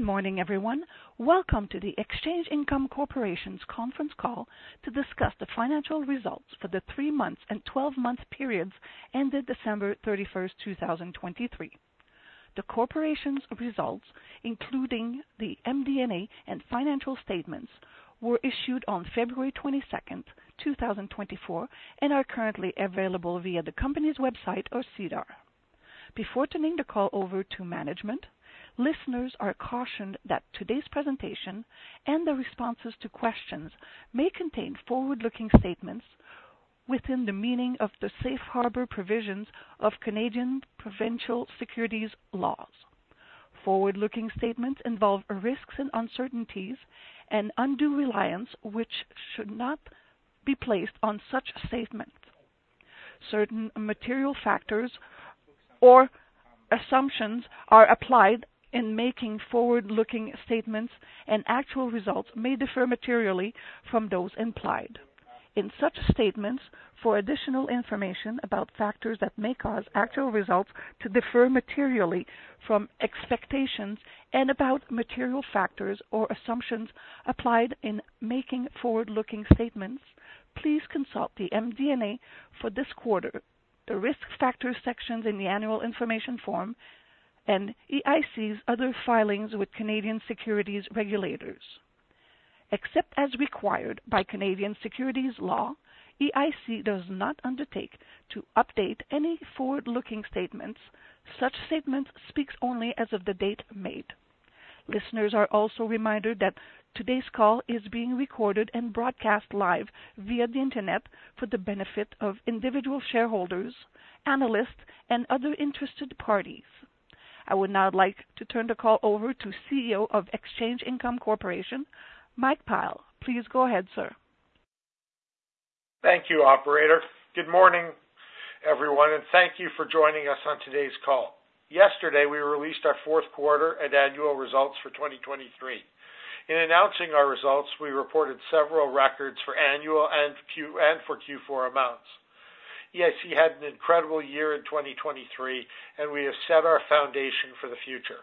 Good morning, everyone. Welcome to the Exchange Income Corporation's conference call to discuss the financial results for the 3 months and 12-month periods ended December 31st, 2023. The corporation's results, including the MD&A and financial statements, were issued on February 22nd, 2024, and are currently available via the company's website or SEDAR. Before turning the call over to management, listeners are cautioned that today's presentation and the responses to questions may contain forward-looking statements within the meaning of the safe harbor provisions of Canadian provincial securities laws. Forward-looking statements involve risks and uncertainties and undue reliance, which should not be placed on such statements. Certain material factors or assumptions are applied in making forward-looking statements, and actual results may differ materially from those implied. In such statements, for additional information about factors that may cause actual results to differ materially from expectations and about material factors or assumptions applied in making forward-looking statements, please consult the MD&A for this quarter, the Risk Factors sections in the Annual Information Form, and EIC's other filings with Canadian securities regulators. Except as required by Canadian securities law, EIC does not undertake to update any forward-looking statements. Such statements speaks only as of the date made. Listeners are also reminded that today's call is being recorded and broadcast live via the Internet for the benefit of individual shareholders, analysts, and other interested parties. I would now like to turn the call over to CEO of Exchange Income Corporation, Mike Pyle. Please go ahead, sir. Thank you, operator. Good morning, everyone, and thank you for joining us on today's call. Yesterday, we released our fourth quarter and annual results for 2023. In announcing our results, we reported several records for annual and Q4 amounts. EIC had an incredible year in 2023, and we have set our foundation for the future.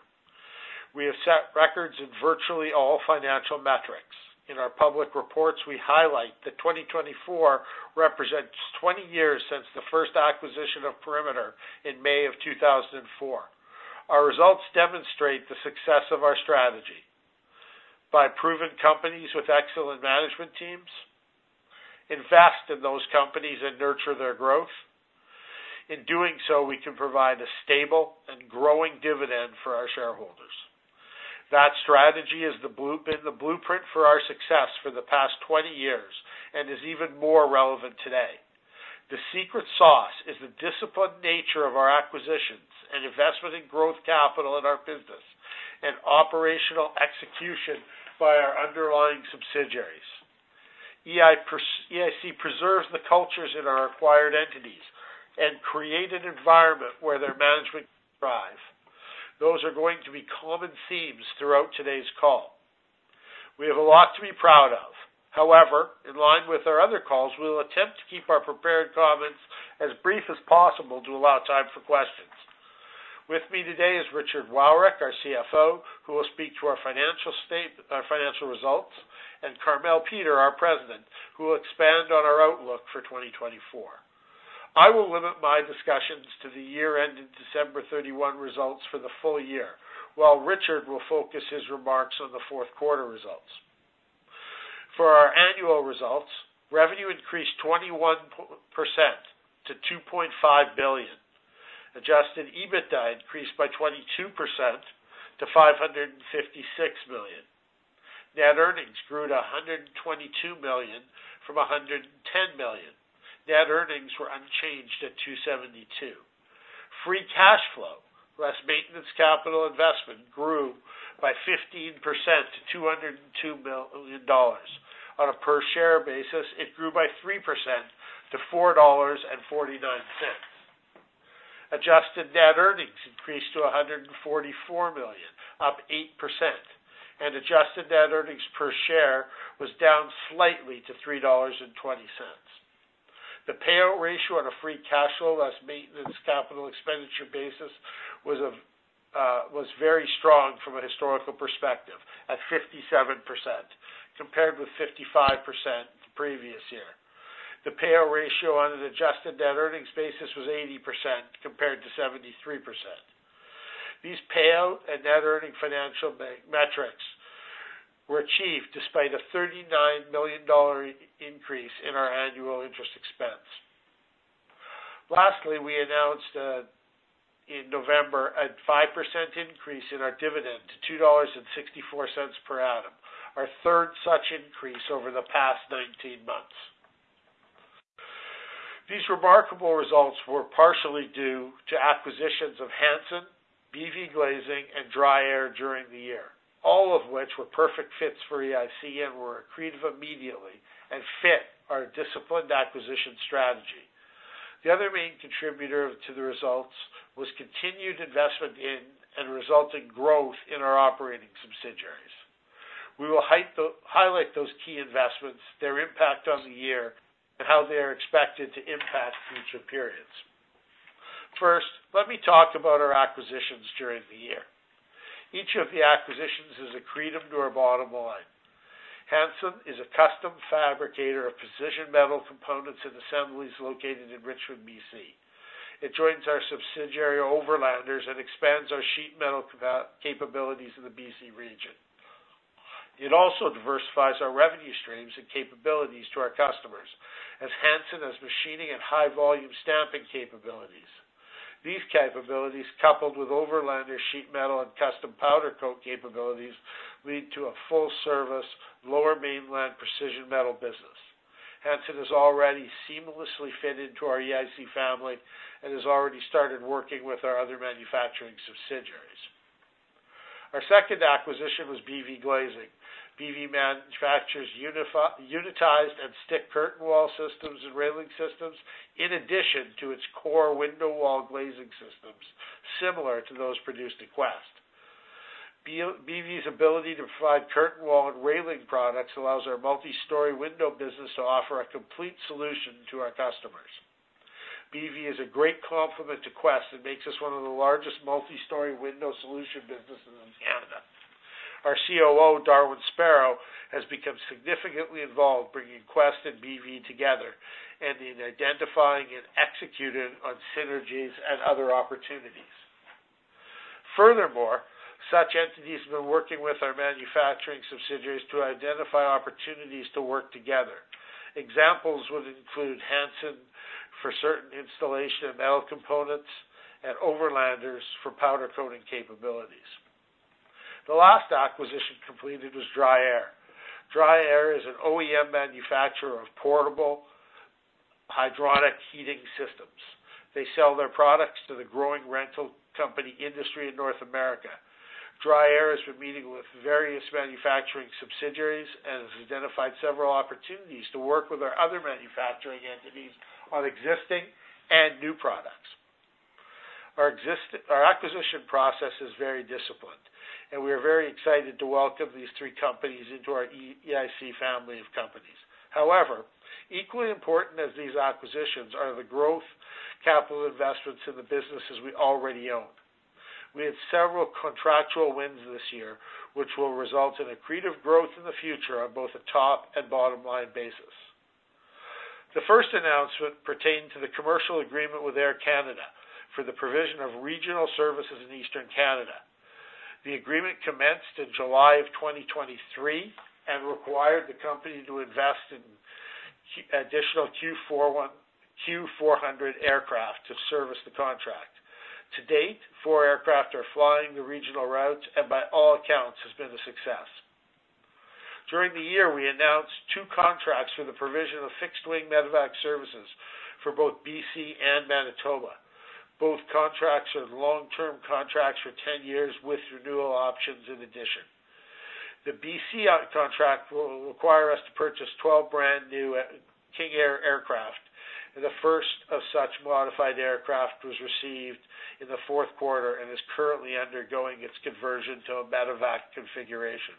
We have set records in virtually all financial metrics. In our public reports, we highlight that 2024 represents twenty years since the first acquisition of Perimeter in May 2004. Our results demonstrate the success of our strategy by proven companies with excellent management teams, invest in those companies and nurture their growth. In doing so, we can provide a stable and growing dividend for our shareholders. That strategy is the blue... been the blueprint for our success for the past 20 years and is even more relevant today. The secret sauce is the disciplined nature of our acquisitions and investment in growth capital in our business and operational execution by our underlying subsidiaries. EIC preserves the cultures in our acquired entities and create an environment where their management thrive. Those are going to be common themes throughout today's call. We have a lot to be proud of. However, in line with our other calls, we will attempt to keep our prepared comments as brief as possible to allow time for questions. With me today is Richard Wowryk, our CFO, who will speak to our financial state, our financial results, and Carmele Peter, our president, who will expand on our outlook for 2024. I will limit my discussions to the year ended December 31 results for the full year, while Richard will focus his remarks on the fourth quarter results. For our annual results, revenue increased 21% to 2.5 billion. Adjusted EBITDA increased by 22% to 556 million. Net earnings grew to 122 million from 110 million. Net earnings were unchanged at 2.72. Free cash flow, less maintenance capital investment, grew by 15% to 202 million dollars. On a per-share basis, it grew by 3% to 4.49 dollars. Adjusted net earnings increased to 144 million, up 8%, and adjusted net earnings per share was down slightly to 3.20 dollars. The payout ratio on a free cash flow less maintenance capital expenditure basis was very strong from a historical perspective, at 57%, compared with 55% the previous year. The payout ratio on an adjusted net earnings basis was 80%, compared to 73%. These payout and net earning financial metrics were achieved despite a 39 million dollar increase in our annual interest expense. Lastly, we announced in November, a 5% increase in our dividend to 2.64 dollars per annum, our third such increase over the past 19 months. These remarkable results were partially due to acquisitions of Hansen, BV Glazing, and DryAir during the year, all of which were perfect fits for EIC and were accretive immediately and fit our disciplined acquisition strategy. The other main contributor to the results was continued investment in and resulting growth in our operating subsidiaries. We will highlight those key investments, their impact on the year, and how they are expected to impact future periods. First, let me talk about our acquisitions during the year. Each of the acquisitions is accretive to our bottom line. Hansen is a custom fabricator of precision metal components and assemblies located in Richmond, BC. It joins our subsidiary, Overlanders, and expands our sheet metal capabilities in the BC region. It also diversifies our revenue streams and capabilities to our customers, as Hansen has machining and high-volume stamping capabilities. These capabilities, coupled with Overlanders sheet metal and custom powder coat capabilities, lead to a full-service, lower mainland precision metal business. Hansen has already seamlessly fit into our EIC family and has already started working with our other manufacturing subsidiaries. Our second acquisition was BV Glazing. BV manufactures unitized and stick curtain wall systems and railing systems, in addition to its core window wall glazing systems, similar to those produced in Quest. BV's ability to provide curtain wall and railing products allows our multi-story window business to offer a complete solution to our customers. BV is a great complement to Quest and makes us one of the largest multi-story window solution businesses in Canada. Our COO, Darwin Sparrow, has become significantly involved bringing Quest and BV together, and in identifying and executing on synergies and other opportunities. Furthermore, such entities have been working with our manufacturing subsidiaries to identify opportunities to work together. Examples would include Hansen for certain installation of metal components and Overlanders for powder coating capabilities. The last acquisition completed was DryAir. DryAir is an OEM manufacturer of portable hydronic heating systems. They sell their products to the growing rental company industry in North America. DryAir has been meeting with various manufacturing subsidiaries and has identified several opportunities to work with our other manufacturing entities on existing and new products. Our acquisition process is very disciplined, and we are very excited to welcome these three companies into our EIC family of companies. However, equally important as these acquisitions are the growth capital investments in the businesses we already own. We had several contractual wins this year, which will result in accretive growth in the future on both a top and bottom-line basis. The first announcement pertained to the commercial agreement with Air Canada for the provision of regional services in Eastern Canada. The agreement commenced in July of 2023 and required the company to invest in additional Q400 aircraft to service the contract. To date, four aircraft are flying the regional routes, and by all accounts, has been a success. During the year, we announced two contracts for the provision of fixed-wing medevac services for both BC and Manitoba. Both contracts are long-term contracts for 10 years, with renewal options in addition. The BC contract will require us to purchase 12 brand-new King Air aircraft, and the first of such modified aircraft was received in the fourth quarter and is currently undergoing its conversion to a medevac configuration.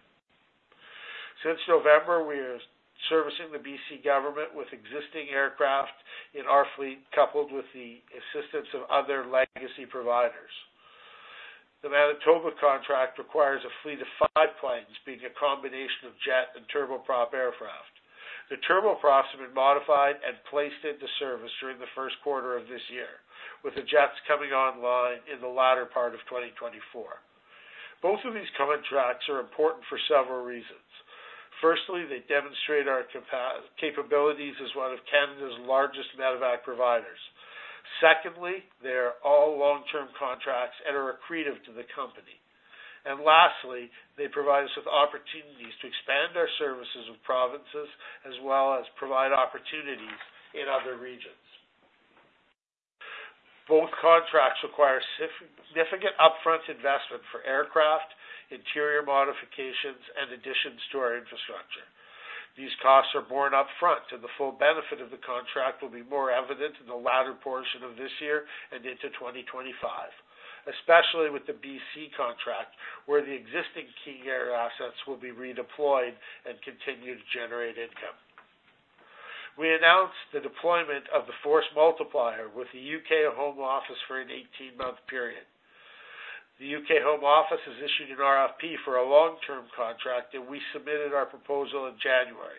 Since November, we are servicing the BC government with existing aircraft in our fleet, coupled with the assistance of other legacy providers. The Manitoba contract requires a fleet of five planes, being a combination of jet and turboprop aircraft. The turboprops have been modified and placed into service during the first quarter of this year, with the jets coming online in the latter part of 2024. Both of these contracts are important for several reasons. Firstly, they demonstrate our capabilities as one of Canada's largest medevac providers. Secondly, they are all long-term contracts and are accretive to the company. And lastly, they provide us with opportunities to expand our services with provinces, as well as provide opportunities in other regions. Both contracts require significant upfront investment for aircraft, interior modifications, and additions to our infrastructure. These costs are borne upfront, and the full benefit of the contract will be more evident in the latter portion of this year and into 2025, especially with the BC contract, where the existing King Air assets will be redeployed and continue to generate income. We announced the deployment of the Force Multiplier with the UK Home Office for an 18-month period. The UK Home Office has issued an RFP for a long-term contract, and we submitted our proposal in January.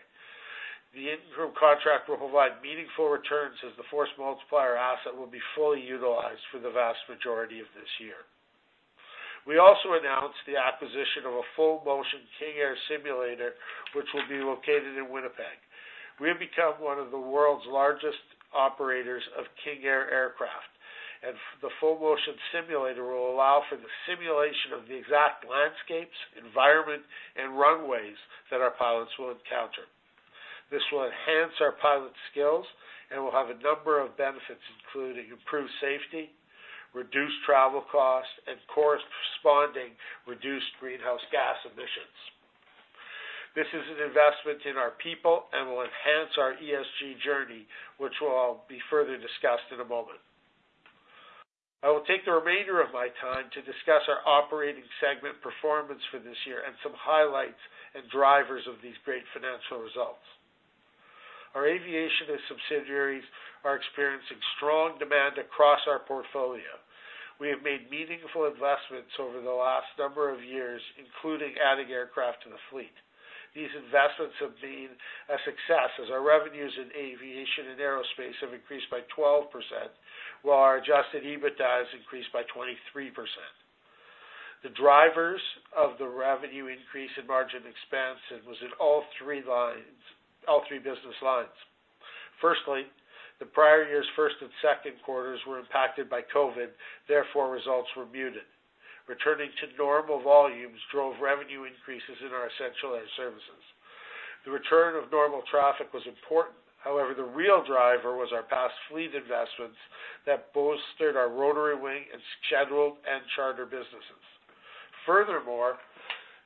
The interim contract will provide meaningful returns, as the Force Multiplier asset will be fully utilized for the vast majority of this year. We also announced the acquisition of a full-motion King Air simulator, which will be located in Winnipeg. We have become one of the world's largest operators of King Air aircraft, and the full-motion simulator will allow for the simulation of the exact landscapes, environment, and runways that our pilots will encounter. This will enhance our pilot skills and will have a number of benefits, including improved safety, reduced travel costs, and corresponding reduced greenhouse gas emissions. This is an investment in our people and will enhance our ESG journey, which will be further discussed in a moment. I will take the remainder of my time to discuss our operating segment performance for this year and some highlights and drivers of these great financial results... Our aviation and subsidiaries are experiencing strong demand across our portfolio. We have made meaningful investments over the last number of years, including adding aircraft to the fleet. These investments have been a success, as our revenues in aviation and aerospace have increased by 12%, while our Adjusted EBITDA has increased by 23%. The drivers of the revenue increase in margin expansion was in all three lines-- all three business lines. Firstly, the prior year's first and second quarters were impacted by COVID, therefore, results were muted. Returning to normal volumes drove revenue increases in our essential air services. The return of normal traffic was important. However, the real driver was our past fleet investments that bolstered our rotary wing and scheduled and charter businesses. Furthermore,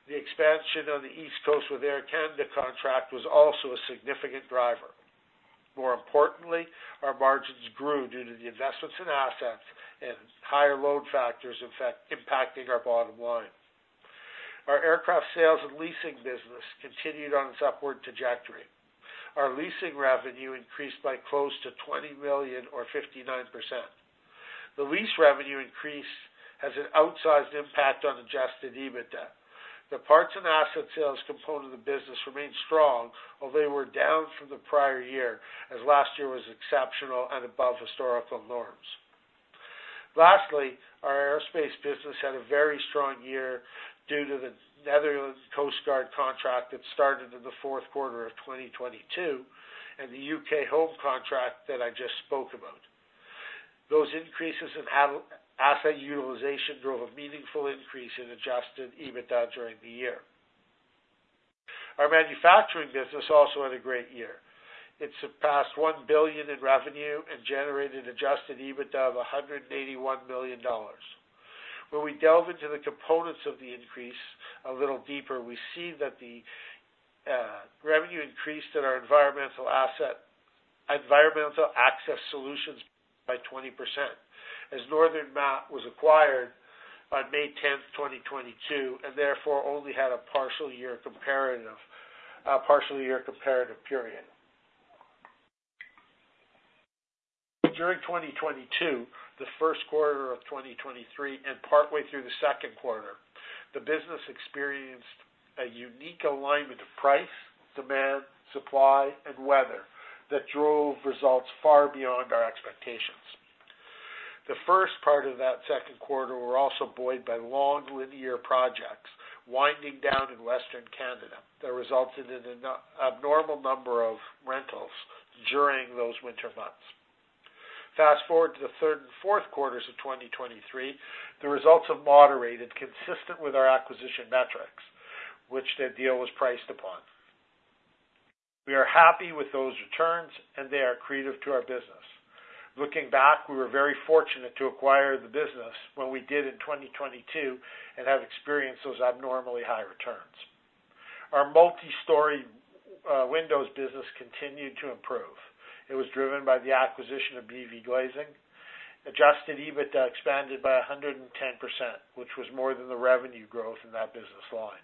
the expansion on the East Coast with Air Canada contract was also a significant driver. More importantly, our margins grew due to the investments in assets and higher load factors, in fact, impacting our bottom line. Our aircraft sales and leasing business continued on its upward trajectory. Our leasing revenue increased by close to 20 million or 59%. The lease revenue increase has an outsized impact on Adjusted EBITDA. The parts and asset sales component of the business remained strong, although they were down from the prior year, as last year was exceptional and above historical norms. Lastly, our aerospace business had a very strong year due to the Netherlands Coast Guard contract that started in the fourth quarter of 2022, and the UK Home Office contract that I just spoke about. Those increases in asset utilization drove a meaningful increase in adjusted EBITDA during the year. Our manufacturing business also had a great year. It surpassed 1 billion in revenue and generated adjusted EBITDA of 181 million dollars. When we delve into the components of the increase a little deeper, we see that the revenue increased in our environmental access solutions by 20%, as Northern Mat was acquired on May 10, 2022, and therefore only had a partial year comparative period. During 2022, the first quarter of 2023, and partway through the second quarter, the business experienced a unique alignment of price, demand, supply, and weather that drove results far beyond our expectations. The first part of that second quarter were also buoyed by long linear projects, winding down in Western Canada, that resulted in an abnormal number of rentals during those winter months. Fast forward to the third and fourth quarters of 2023, the results have moderated, consistent with our acquisition metrics, which the deal was priced upon. We are happy with those returns, and they are creative to our business. Looking back, we were very fortunate to acquire the business when we did in 2022 and have experienced those abnormally high returns. Our multi-story windows business continued to improve. It was driven by the acquisition of BV Glazing. Adjusted EBITDA expanded by 110%, which was more than the revenue growth in that business line.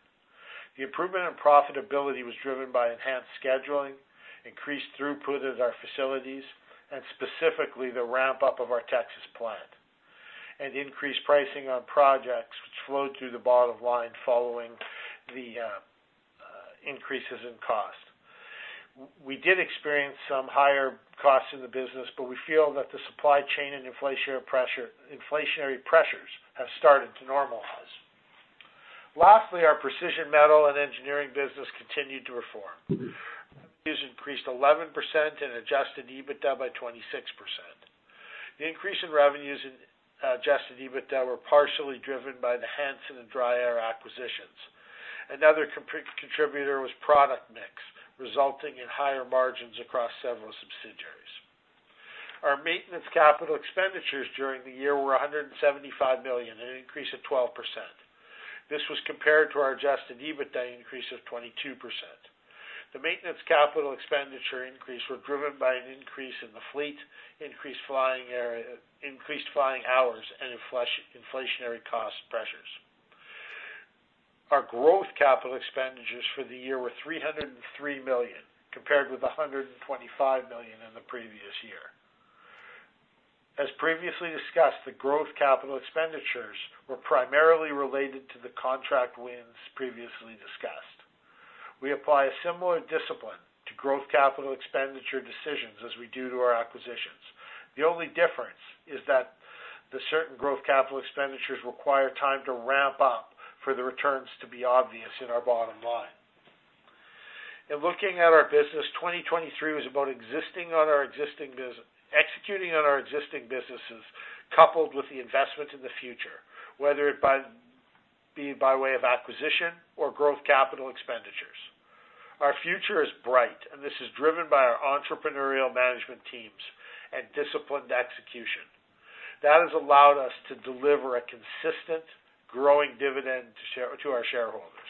The improvement in profitability was driven by enhanced scheduling, increased throughput at our facilities, and specifically, the ramp-up of our Texas plant, and increased pricing on projects which flowed through the bottom line following the increases in cost. We did experience some higher costs in the business, but we feel that the supply chain and inflationary pressures have started to normalize. Lastly, our precision metal and engineering business continued to perform. Revenues increased 11% and adjusted EBITDA by 26%. The increase in revenues and adjusted EBITDA were partially driven by the Hansen and DryAir acquisitions. Another contributor was product mix, resulting in higher margins across several subsidiaries. Our maintenance capital expenditures during the year were 175 million, an increase of 12%. This was compared to our Adjusted EBITDA increase of 22%. The maintenance capital expenditure increase were driven by an increase in the fleet, increased flying area, increased flying hours, and inflationary cost pressures. Our growth capital expenditures for the year were 303 million, compared with 125 million in the previous year. As previously discussed, the growth capital expenditures were primarily related to the contract wins previously discussed. We apply a similar discipline to growth capital expenditure decisions as we do to our acquisitions. The only difference is that the certain growth capital expenditures require time to ramp up for the returns to be obvious in our bottom line. In looking at our business, 2023 was about executing on our existing businesses, coupled with the investment in the future, whether it be by way of acquisition or growth capital expenditures. Our future is bright, and this is driven by our entrepreneurial management teams and disciplined execution. That has allowed us to deliver a consistent, growing dividend to our shareholders.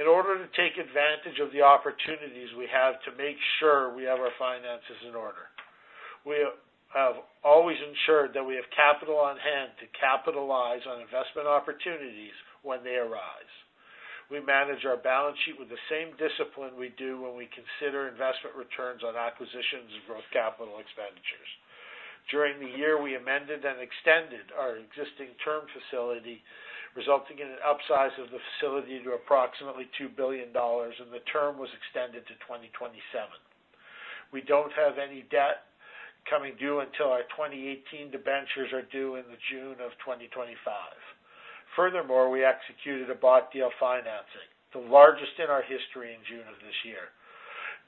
In order to take advantage of the opportunities we have to make sure we have our finances in order. We have always ensured that we have capital on hand to capitalize on investment opportunities when they arise. We manage our balance sheet with the same discipline we do when we consider investment returns on acquisitions and growth capital expenditures. During the year, we amended and extended our existing term facility, resulting in an upsize of the facility to approximately 2 billion dollars, and the term was extended to 2027. We don't have any debt coming due until our 2018 debentures are due in the June of 2025. Furthermore, we executed a bought deal financing, the largest in our history, in June of this year.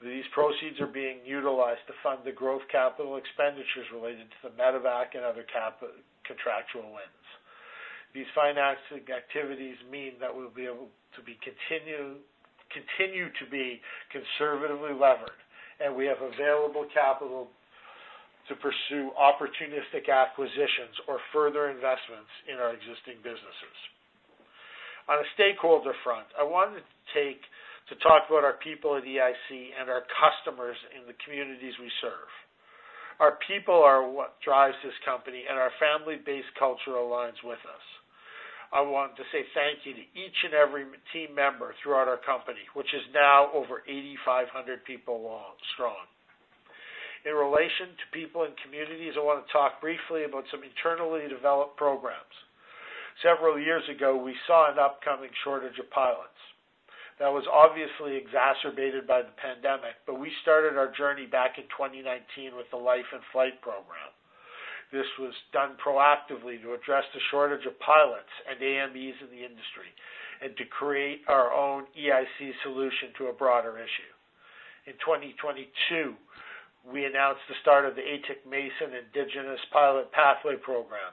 These proceeds are being utilized to fund the growth capital expenditures related to the medevac and other capital contractual wins. These financing activities mean that we'll be able to continue to be conservatively levered, and we have available capital to pursue opportunistic acquisitions or further investments in our existing businesses. On a stakeholder front, I wanted to take time to talk about our people at EIC and our customers in the communities we serve. Our people are what drives this company, and our family-based culture aligns with us. I want to say thank you to each and every team member throughout our company, which is now over 8,500 people long, strong. In relation to people and communities, I want to talk briefly about some internally developed programs. Several years ago, we saw an upcoming shortage of pilots. That was obviously exacerbated by the pandemic, but we started our journey back in 2019 with the Life in Flight program. This was done proactively to address the shortage of pilots and AMEs in the industry and to create our own EIC solution to a broader issue. In 2022, we announced the start of the Atikamekw Indigenous Pilot Pathway Program,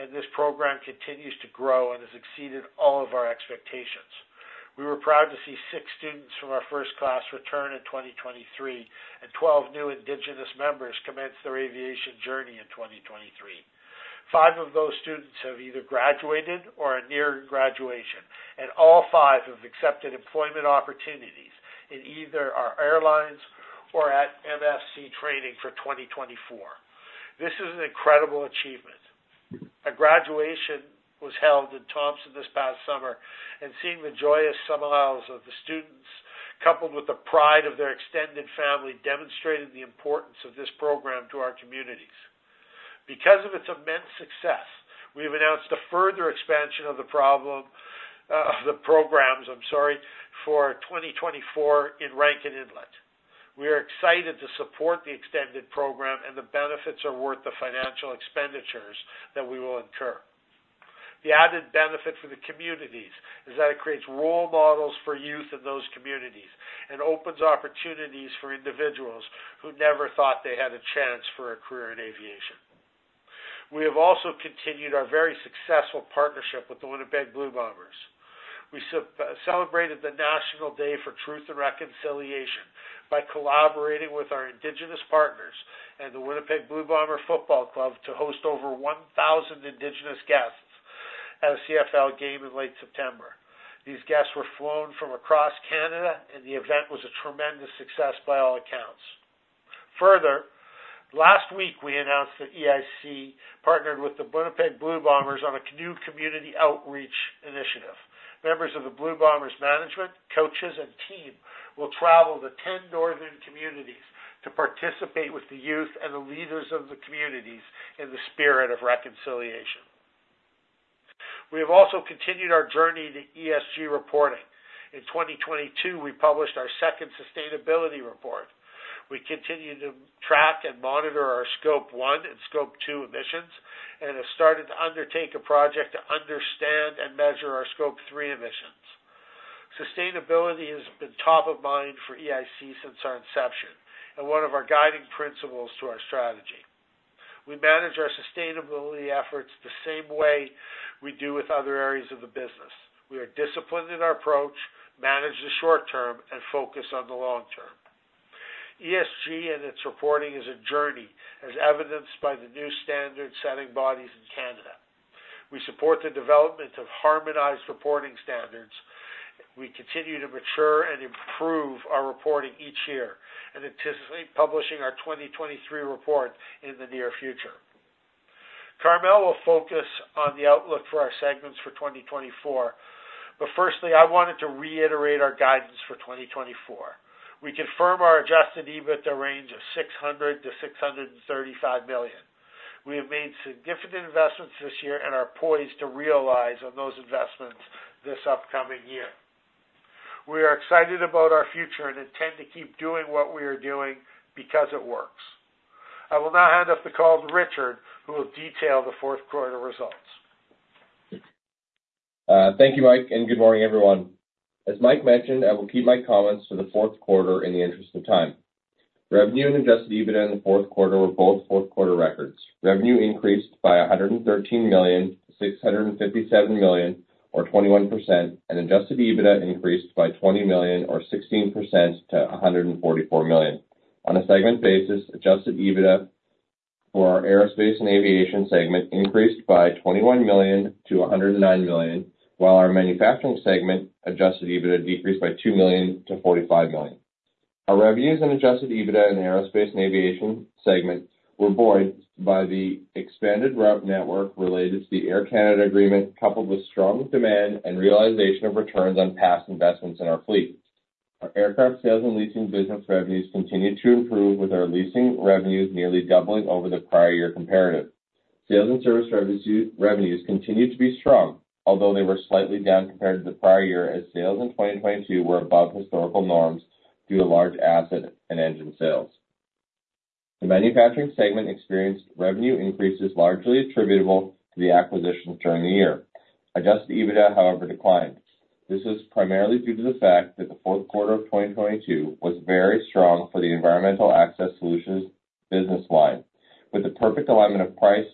and this program continues to grow and has exceeded all of our expectations. We were proud to see six students from our first class return in 2023, and 12 new Indigenous members commence their aviation journey in 2023. Five of those students have either graduated or are near graduation, and all five have accepted employment opportunities in either our airlines or at MFC Training for 2024. This is an incredible achievement. A graduation was held in Thompson this past summer, and seeing the joyous smiles of the students, coupled with the pride of their extended family, demonstrated the importance of this program to our communities. Because of its immense success, we have announced a further expansion of the programs, I'm sorry, for 2024 in Rankin Inlet. We are excited to support the extended program, and the benefits are worth the financial expenditures that we will incur. The added benefit for the communities is that it creates role models for youth in those communities and opens opportunities for individuals who never thought they had a chance for a career in aviation. We have also continued our very successful partnership with the Winnipeg Blue Bombers. We celebrated the National Day for Truth and Reconciliation by collaborating with our Indigenous partners and the Winnipeg Blue Bombers Football Club to host over 1,000 Indigenous guests at a CFL game in late September. These guests were flown from across Canada, and the event was a tremendous success by all accounts. Further, last week, we announced that EIC partnered with the Winnipeg Blue Bombers on a new community outreach initiative. Members of the Blue Bombers management, coaches, and team will travel to 10 northern communities to participate with the youth and the leaders of the communities in the spirit of reconciliation. We have also continued our journey to ESG reporting. In 2022, we published our second sustainability report. We continue to track and monitor our Scope One and Scope Two emissions and have started to undertake a project to understand and measure our Scope Three emissions. Sustainability has been top of mind for EIC since our inception and one of our guiding principles to our strategy. We manage our sustainability efforts the same way we do with other areas of the business. We are disciplined in our approach, manage the short term, and focus on the long term. ESG and its reporting is a journey, as evidenced by the new standard-setting bodies in Canada. We support the development of harmonized reporting standards. We continue to mature and improve our reporting each year and anticipate publishing our 2023 report in the near future. Carmele will focus on the outlook for our segments for 2024, but firstly, I wanted to reiterate our guidance for 2024. We confirm our Adjusted EBITDA range of 600 million-635 million. We have made significant investments this year and are poised to realize on those investments this upcoming year. We are excited about our future and intend to keep doing what we are doing because it works. I will now hand off the call to Richard, who will detail the fourth quarter results. Thank you, Mike, and good morning, everyone. As Mike mentioned, I will keep my comments to the fourth quarter in the interest of time. Revenue and Adjusted EBITDA in the fourth quarter were both fourth-quarter records. Revenue increased by 113 million to 657 million, or 21%, and Adjusted EBITDA increased by 20 million or 16% to 144 million. On a segment basis, Adjusted EBITDA for our aerospace and aviation segment increased by 21 million to 109 million, while our manufacturing segment Adjusted EBITDA decreased by 2 million to 45 million. Our revenues and Adjusted EBITDA in the aerospace and aviation segment were buoyed by the expanded route network related to the Air Canada agreement, coupled with strong demand and realization of returns on past investments in our fleet. Our aircraft sales and leasing business revenues continued to improve, with our leasing revenues nearly doubling over the prior year comparative. Sales and service revenue, revenues continued to be strong, although they were slightly down compared to the prior year, as sales in 2022 were above historical norms due to large asset and engine sales. The manufacturing segment experienced revenue increases largely attributable to the acquisitions during the year. Adjusted EBITDA, however, declined. This is primarily due to the fact that the fourth quarter of 2022 was very strong for the environmental access solutions business line, with the perfect alignment of price,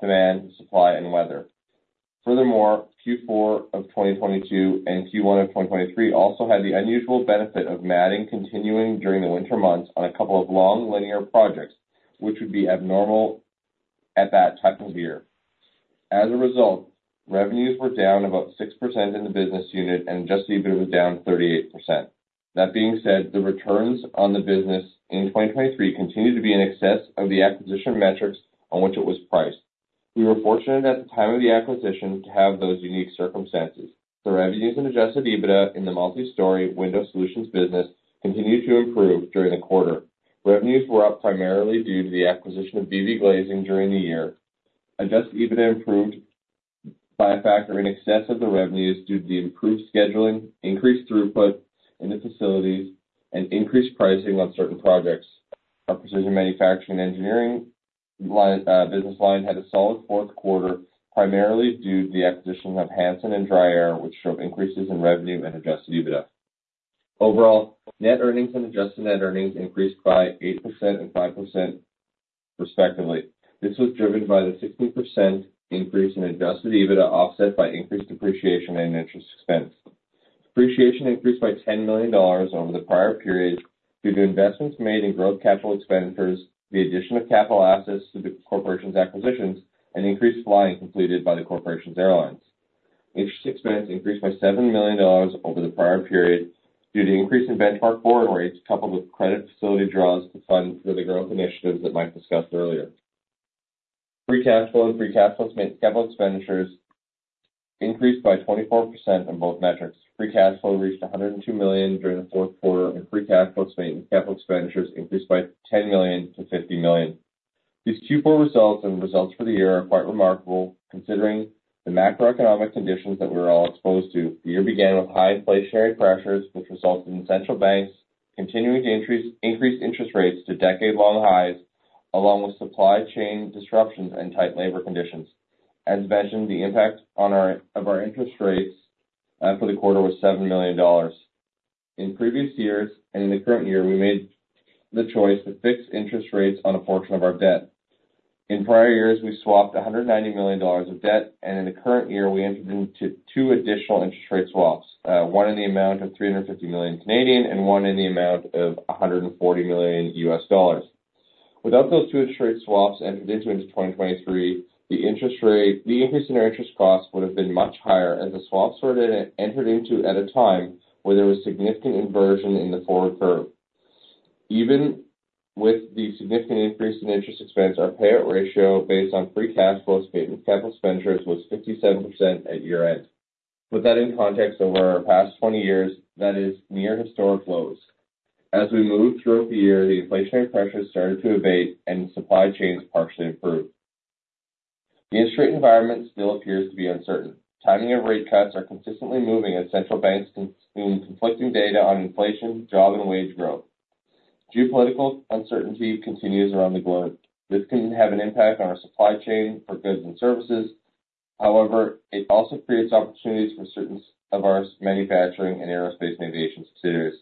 demand, supply, and weather. Furthermore, Q4 of 2022 and Q1 of 2023 also had the unusual benefit of matting continuing during the winter months on a couple of long linear projects, which would be abnormal at that time of year. As a result, revenues were down about 6% in the business unit and adjusted EBITDA was down 38%. That being said, the returns on the business in 2023 continued to be in excess of the acquisition metrics on which it was priced. We were fortunate at the time of the acquisition to have those unique circumstances. The revenues and adjusted EBITDA in the multi-story window solutions business continued to improve during the quarter. Revenues were up primarily due to the acquisition of BV Glazing during the year. Adjusted EBITDA improved by a factor in excess of the revenues due to the improved scheduling, increased throughput in the facilities, and increased pricing on certain projects. Our precision manufacturing engineering line, business line had a solid fourth quarter, primarily due to the acquisition of Hansen and DryAir, which showed increases in revenue and adjusted EBITDA. Overall, net earnings and adjusted net earnings increased by 8% and 5%, respectively. This was driven by the 16% increase in adjusted EBITDA, offset by increased depreciation and interest expense. Depreciation increased by 10 million dollars over the prior period due to investments made in growth capital expenditures, the addition of capital assets to the corporation's acquisitions, and increased flying completed by the corporation's airlines. Interest expense increased by 7 million dollars over the prior period due to increase in benchmark forward rates, coupled with credit facility draws to fund for the growth initiatives that Mike discussed earlier. Free cash flow and free cash flows, maintenance capital expenditures increased by 24% on both metrics. Free cash flow reached 102 million during the fourth quarter, and free cash flows, maintenance capital expenditures increased by 10 million to 50 million. These Q4 results and results for the year are quite remarkable, considering the macroeconomic conditions that we're all exposed to. The year began with high inflationary pressures, which resulted in central banks continuing to increase interest rates to decade-long highs, along with supply chain disruptions and tight labor conditions. As mentioned, the impact of our interest rates for the quarter was 7 million dollars. In previous years, and in the current year, we made the choice to fix interest rates on a portion of our debt. In prior years, we swapped 190 million dollars of debt, and in the current year, we entered into two additional interest rate swaps, one in the amount of 350 million, and one in the amount of $140 million. Without those two interest rate swaps entered into in 2023, the interest rate, the increase in our interest costs would have been much higher, as the swaps were then entered into at a time where there was significant inversion in the forward curve. Even with the significant increase in interest expense, our payout ratio, based on free cash flow statement capital expenditures, was 57% at year-end. To put that in context, over our past 20 years, that is near historic lows. As we moved throughout the year, the inflationary pressures started to abate and the supply chains partially improved. The interest rate environment still appears to be uncertain. Timing of rate cuts are consistently moving as central banks consume conflicting data on inflation, job and wage growth. Geopolitical uncertainty continues around the globe. This can have an impact on our supply chain for goods and services. However, it also creates opportunities for certain of our manufacturing and aerospace and aviation subsidiaries.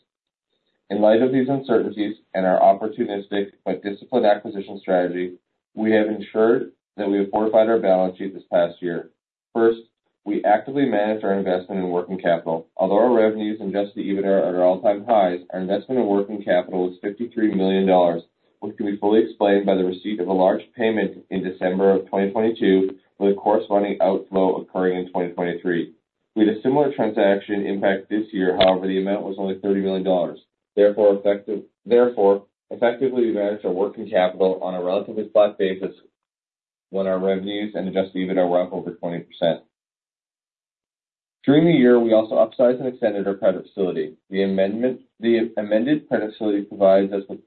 In light of these uncertainties and our opportunistic but disciplined acquisition strategy, we have ensured that we have fortified our balance sheet this past year. First, we actively managed our investment in working capital. Although our revenues and adjusted EBITDA are at all-time highs, our investment in working capital is 53 million dollars, which can be fully explained by the receipt of a large payment in December of 2022, with a corresponding outflow occurring in 2023. We had a similar transaction impact this year, however, the amount was only 30 million dollars. Therefore, effectively, we managed our working capital on a relatively flat basis when our revenues and adjusted EBITDA were up over 20%. During the year, we also upsized and extended our credit facility. The amendment, the amended credit facility provides us with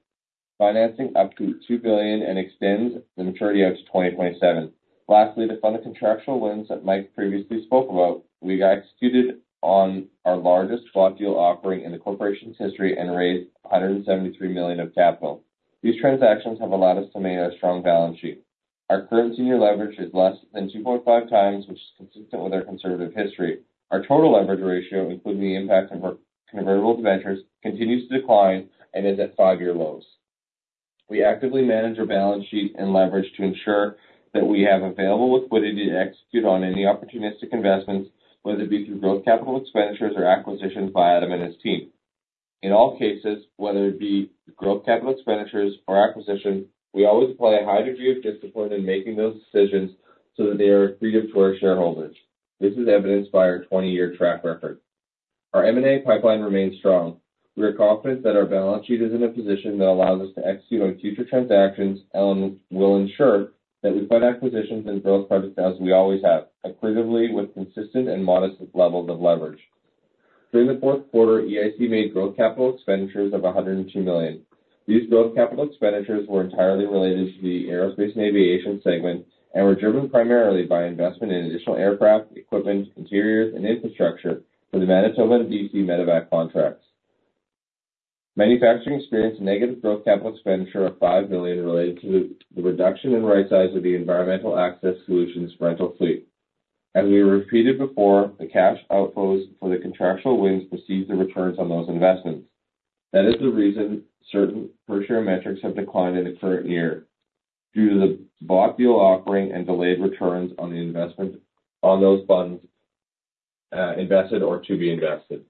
financing up to 2 billion and extends the maturity out to 2027. Lastly, to fund the contractual wins that Mike previously spoke about, we got executed on our largest swap deal offering in the corporation's history and raised 173 million of capital. These transactions have allowed us to maintain a strong balance sheet. Our current senior leverage is less than 2.5 times, which is consistent with our conservative history. Our total leverage ratio, including the impact of our convertible ventures, continues to decline and is at 5-year lows. We actively manage our balance sheet and leverage to ensure that we have available liquidity to execute on any opportunistic investments, whether it be through growth, capital expenditures, or acquisitions by Adam and his team. In all cases, whether it be growth capital expenditures or acquisition, we always apply a high degree of discipline in making those decisions so that they are accretive to our shareholders. This is evidenced by our 20-year track record. Our M&A pipeline remains strong. We are confident that our balance sheet is in a position that allows us to execute on future transactions, and we'll ensure that we fund acquisitions and growth projects as we always have, accretively, with consistent and modest levels of leverage. During the fourth quarter, EIC made growth capital expenditures of 102 million. These growth capital expenditures were entirely related to the aerospace and aviation segment and were driven primarily by investment in additional aircraft, equipment, interiors, and infrastructure for the Manitoba and BC Medevac contracts. Manufacturing experienced a negative growth capital expenditure of 5 million related to the reduction in right size of the Environmental Access Solutions rental fleet. As we repeated before, the cash outflows for the contractual wins precedes the returns on those investments. That is the reason certain per share metrics have declined in the current year due to the bought deal offering and delayed returns on the investment on those funds, invested or to be invested.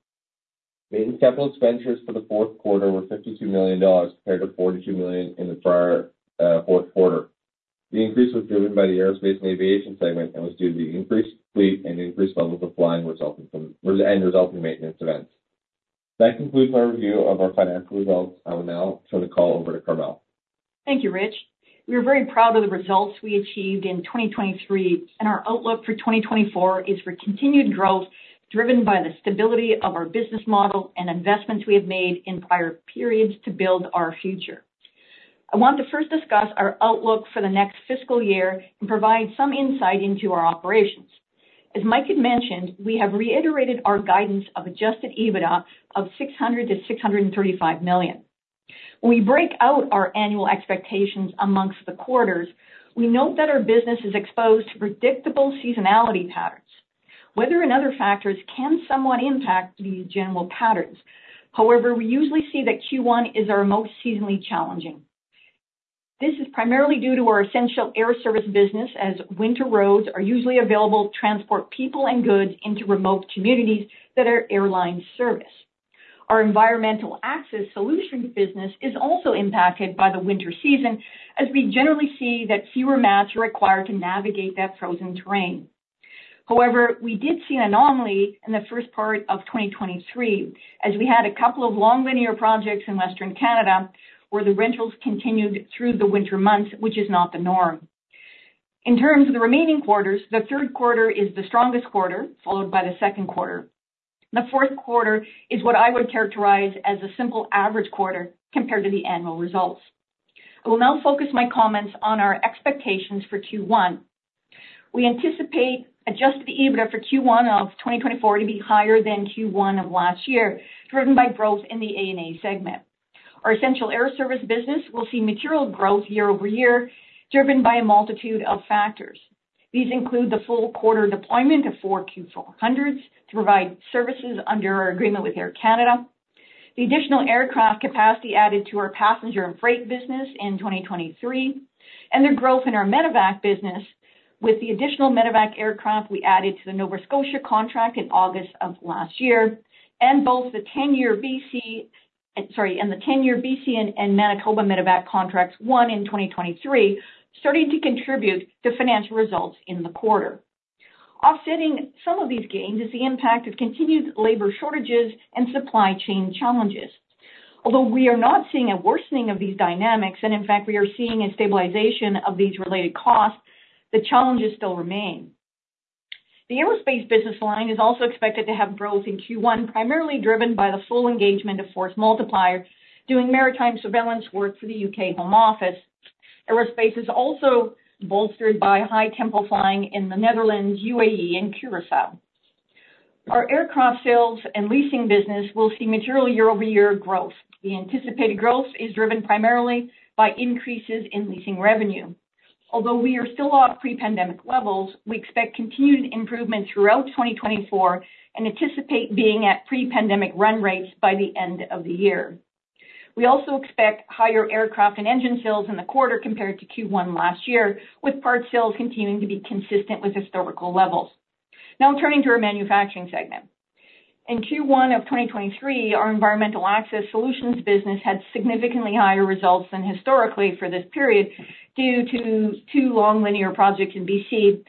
Maintenance capital expenditures for the fourth quarter were 52 million dollars, compared to 42 million in the prior fourth quarter. The increase was driven by the aerospace and aviation segment and was due to the increased fleet and increased levels of flying resulting from and resulting maintenance events. That concludes my review of our financial results. I will now turn the call over to Carmele. Thank you, Rich. We are very proud of the results we achieved in 2023, and our outlook for 2024 is for continued growth, driven by the stability of our business model and investments we have made in prior periods to build our future. I want to first discuss our outlook for the next fiscal year and provide some insight into our operations. As Mike had mentioned, we have reiterated our guidance of Adjusted EBITDA of 600 million-635 million. When we break out our annual expectations amongst the quarters, we note that our business is exposed to predictable seasonality patterns. Weather and other factors can somewhat impact these general patterns. However, we usually see that Q1 is our most seasonally challenging. This is primarily due to our essential air service business, as winter roads are usually available to transport people and goods into remote communities that are airline service. Our Environmental Access Solutions business is also impacted by the winter season, as we generally see that fewer mats are required to navigate that frozen terrain. However, we did see an anomaly in the first part of 2023, as we had a couple of long linear projects in Western Canada, where the rentals continued through the winter months, which is not the norm. In terms of the remaining quarters, the third quarter is the strongest quarter, followed by the second quarter. The fourth quarter is what I would characterize as a simple average quarter compared to the annual results. I will now focus my comments on our expectations for Q1. We anticipate Adjusted EBITDA for Q1 of 2024 to be higher than Q1 of last year, driven by growth in the A&A segment. Our essential air service business will see material growth year-over-year, driven by a multitude of factors. These include the full quarter deployment of 4 Q400s to provide services under our agreement with Air Canada, the additional aircraft capacity added to our passenger and freight business in 2023, and the growth in our Medevac business with the additional Medevac aircraft we added to the Nova Scotia contract in August of last year, and both the 10-year BC and Manitoba Medevac contracts won in 2023, starting to contribute to financial results in the quarter. Offsetting some of these gains is the impact of continued labor shortages and supply chain challenges. Although we are not seeing a worsening of these dynamics, and in fact, we are seeing a stabilization of these related costs, the challenges still remain. The aerospace business line is also expected to have growth in Q1, primarily driven by the full engagement of Force Multiplier, doing maritime surveillance work for the UK Home Office. Aerospace is also bolstered by high tempo flying in the Netherlands, UAE, and Curaçao. Our aircraft sales and leasing business will see material year-over-year growth. The anticipated growth is driven primarily by increases in leasing revenue. Although we are still off pre-pandemic levels, we expect continued improvement throughout 2024 and anticipate being at pre-pandemic run rates by the end of the year. We also expect higher aircraft and engine sales in the quarter compared to Q1 last year, with parts sales continuing to be consistent with historical levels. Now turning to our manufacturing segment. In Q1 of 2023, our Environmental Access Solutions business had significantly higher results than historically for this period, due to two long linear projects in BC,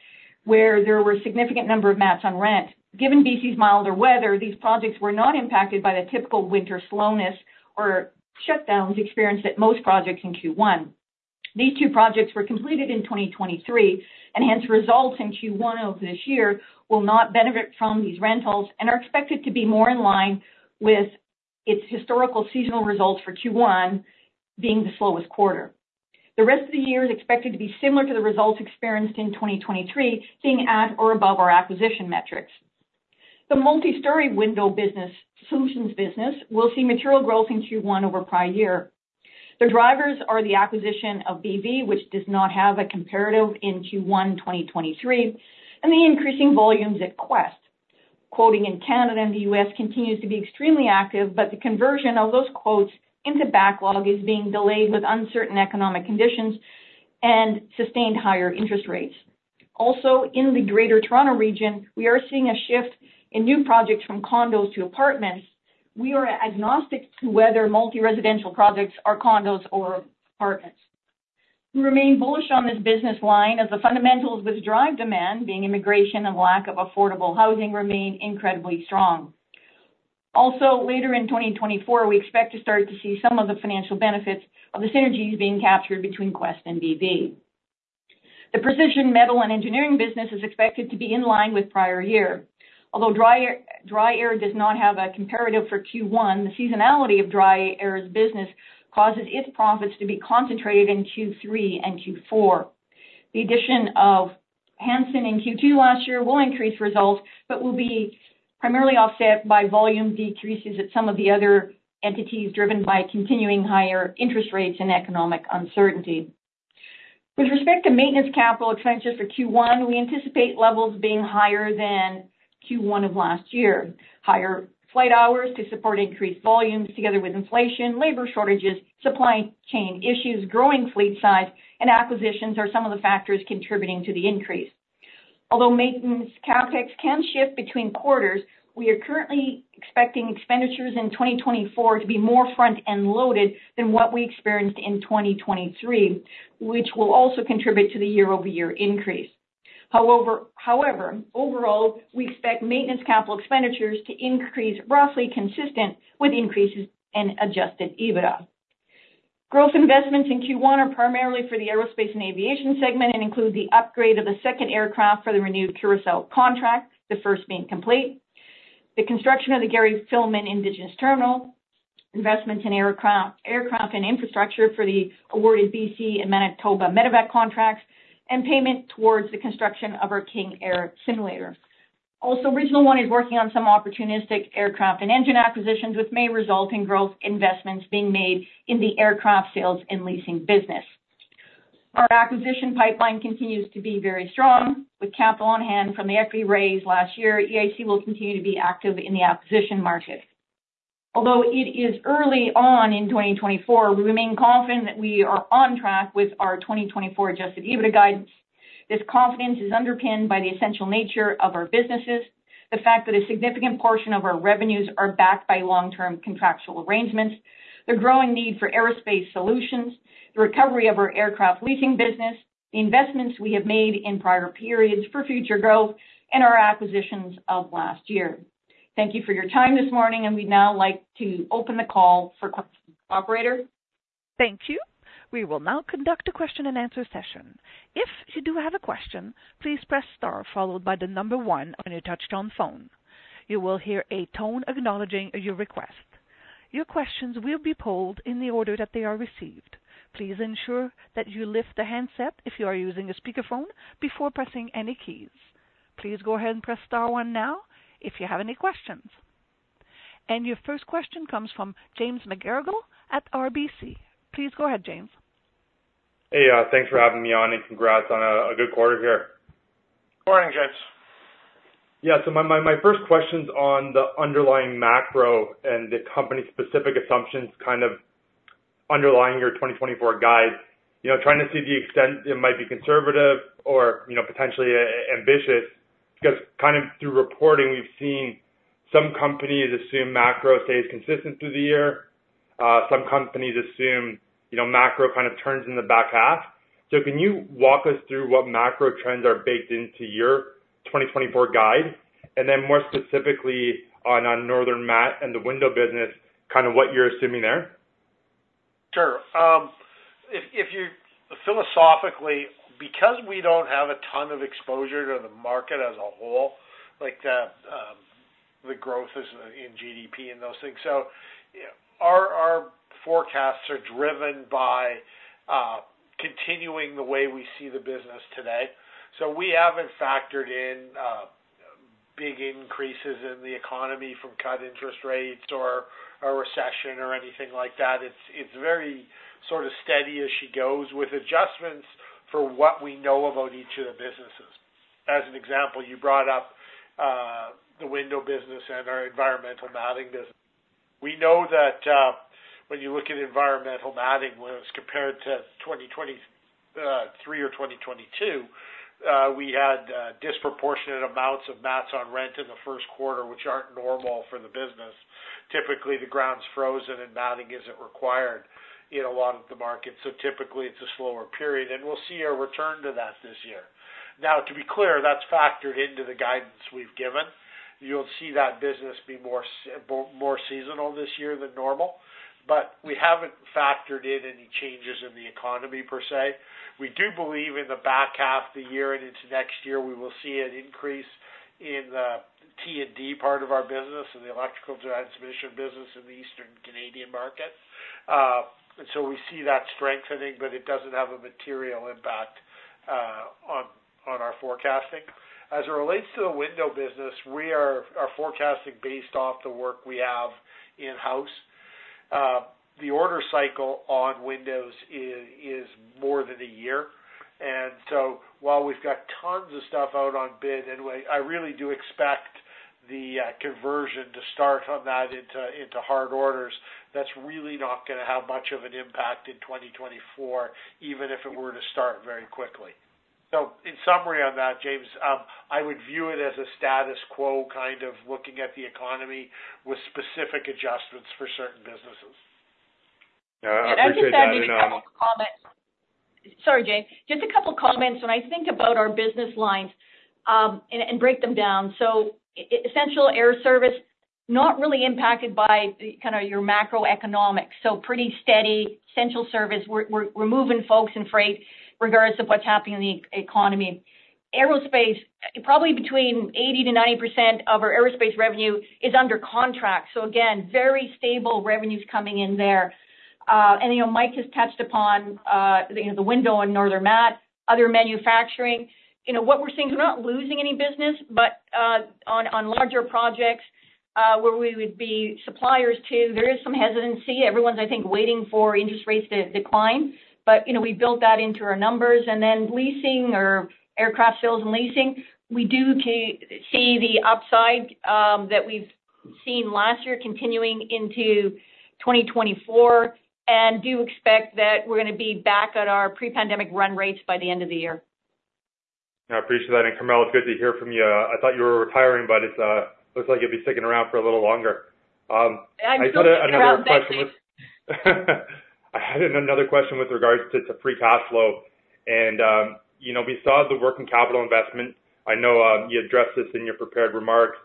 where there were a significant number of mats on rent. Given BC's milder weather, these projects were not impacted by the typical winter slowness or shutdowns experienced at most projects in Q1. These two projects were completed in 2023, and hence, results in Q1 of this year will not benefit from these rentals and are expected to be more in line with its historical seasonal results for Q1 being the slowest quarter. The rest of the year is expected to be similar to the results experienced in 2023, being at or above our acquisition metrics. The multistory window business, solutions business, will see material growth in Q1 over prior year. The drivers are the acquisition of BV, which does not have a comparative in Q1 2023, and the increasing volumes at Quest. Quoting in Canada and the U.S. continues to be extremely active, but the conversion of those quotes into backlog is being delayed with uncertain economic conditions and sustained higher interest rates. Also, in the Greater Toronto region, we are seeing a shift in new projects from condos to apartments. We are agnostic to whether multi-residential projects are condos or apartments. We remain bullish on this business line as the fundamentals which drive demand, being immigration and lack of affordable housing, remain incredibly strong. Also, later in 2024, we expect to start to see some of the financial benefits of the synergies being captured between Quest and BV. The precision metal and engineering business is expected to be in line with prior year. Although DryAir, DryAir does not have a comparative for Q1, the seasonality of DryAir's business causes its profits to be concentrated in Q3 and Q4. The addition of Hansen in Q2 last year will increase results, but will be primarily offset by volume decreases at some of the other entities, driven by continuing higher interest rates and economic uncertainty. With respect to maintenance capital expenditures for Q1, we anticipate levels being higher than Q1 of last year. Higher flight hours to support increased volumes, together with inflation, labor shortages, supply chain issues, growing fleet size, and acquisitions, are some of the factors contributing to the increase. Although maintenance CapEx can shift between quarters, we are currently expecting expenditures in 2024 to be more front-end loaded than what we experienced in 2023, which will also contribute to the year-over-year increase. However, overall, we expect maintenance capital expenditures to increase roughly consistent with increases in Adjusted EBITDA. Growth investments in Q1 are primarily for the aerospace and aviation segment and include the upgrade of a second aircraft for the renewed Curaçao contract, the first being complete, the construction of the Gary Filmon Terminal, investments in aircraft, aircraft and infrastructure for the awarded BC and Manitoba Medevac contracts, and payment towards the construction of our King Air simulator. Also, Regional One is working on some opportunistic aircraft and engine acquisitions, which may result in growth investments being made in the aircraft sales and leasing business. Our acquisition pipeline continues to be very strong. With capital on hand from the equity raise last year, EIC will continue to be active in the acquisition market. Although it is early on in 2024, we remain confident that we are on track with our 2024 Adjusted EBITDA guidance. This confidence is underpinned by the essential nature of our businesses, the fact that a significant portion of our revenues are backed by long-term contractual arrangements, the growing need for aerospace solutions, the recovery of our aircraft leasing business, the investments we have made in prior periods for future growth, and our acquisitions of last year. Thank you for your time this morning, and we'd now like to open the call for questions. Operator? Thank you. We will now conduct a question-and-answer session. If you do have a question, please press star followed by the number 1 on your touchtone phone. You will hear a tone acknowledging your request. Your questions will be polled in the order that they are received. Please ensure that you lift the handset if you are using a speakerphone before pressing any keys. Please go ahead and press star 1 now if you have any questions. Your first question comes from James McGarragle at RBC. Please go ahead, James. Hey, thanks for having me on, and congrats on a good quarter here. Good morning, James. Yeah, so my first question's on the underlying macro and the company's specific assumptions, kind of underlying your 2024 guide. You know, trying to see the extent it might be conservative or, you know, potentially ambitious. Because kind of through reporting, we've seen some companies assume macro stays consistent through the year. Some companies assume, you know, macro kind of turns in the back half. So can you walk us through what macro trends are baked into your 2024 guide? And then more specifically, on Northern Mat and the window business, kind of what you're assuming there? Sure. If you... Philosophically, because we don't have a ton of exposure to the market as a whole, like the growth is in GDP and those things, so, yeah, our forecasts are driven by continuing the way we see the business today. So we haven't factored in big increases in the economy from cut interest rates or a recession or anything like that. It's very sort of steady as she goes with adjustments for what we know about each of the businesses. As an example, you brought up the window business and our environmental matting business. We know that when you look at environmental matting, when it's compared to 2023 or 2022, we had disproportionate amounts of mats on rent in the first quarter, which aren't normal for the business. Typically, the ground's frozen and matting isn't required in a lot of the markets, so typically it's a slower period, and we'll see a return to that this year. Now, to be clear, that's factored into the guidance we've given. You'll see that business be more seasonal this year than normal, but we haven't factored in any changes in the economy per se. We do believe in the back half of the year and into next year, we will see an increase in the T&D part of our business, in the electrical transmission business in the Eastern Canadian market. And so we see that strengthening, but it doesn't have a material impact on our forecasting. As it relates to the window business, we are forecasting based off the work we have in-house. The order cycle on windows is more than a year, and so while we've got tons of stuff out on bid, and I really do expect the conversion to start on that into hard orders, that's really not gonna have much of an impact in 2024, even if it were to start very quickly. So in summary on that, James, I would view it as a status quo, kind of looking at the economy with specific adjustments for certain businesses. Yeah, I appreciate that, and- Just a couple of comments. Sorry, James. Just a couple comments when I think about our business lines, and break them down. So essential air service, not really impacted by the kind of your macroeconomics, so pretty steady. Essential service, we're moving folks and freight regardless of what's happening in the economy. Aerospace, probably between 80%-90% of our aerospace revenue is under contract, so again, very stable revenues coming in there. And, you know, Mike has touched upon, you know, the window and Northern Mat, other manufacturing. You know, what we're seeing is we're not losing any business, but on larger projects, where we would be suppliers to, there is some hesitancy. Everyone's, I think, waiting for interest rates to decline, but, you know, we built that into our numbers. And then leasing or aircraft sales and leasing, we do see the upside that we've seen last year continuing into 2024, and do expect that we're gonna be back at our pre-pandemic run rates by the end of the year. I appreciate that, and Carmele, it's good to hear from you. I thought you were retiring, but it's, looks like you'll be sticking around for a little longer. I had another question with- I'm sticking around, thank you. I had another question with regards to free cash flow, and you know, we saw the working capital investment. I know you addressed this in your prepared remarks.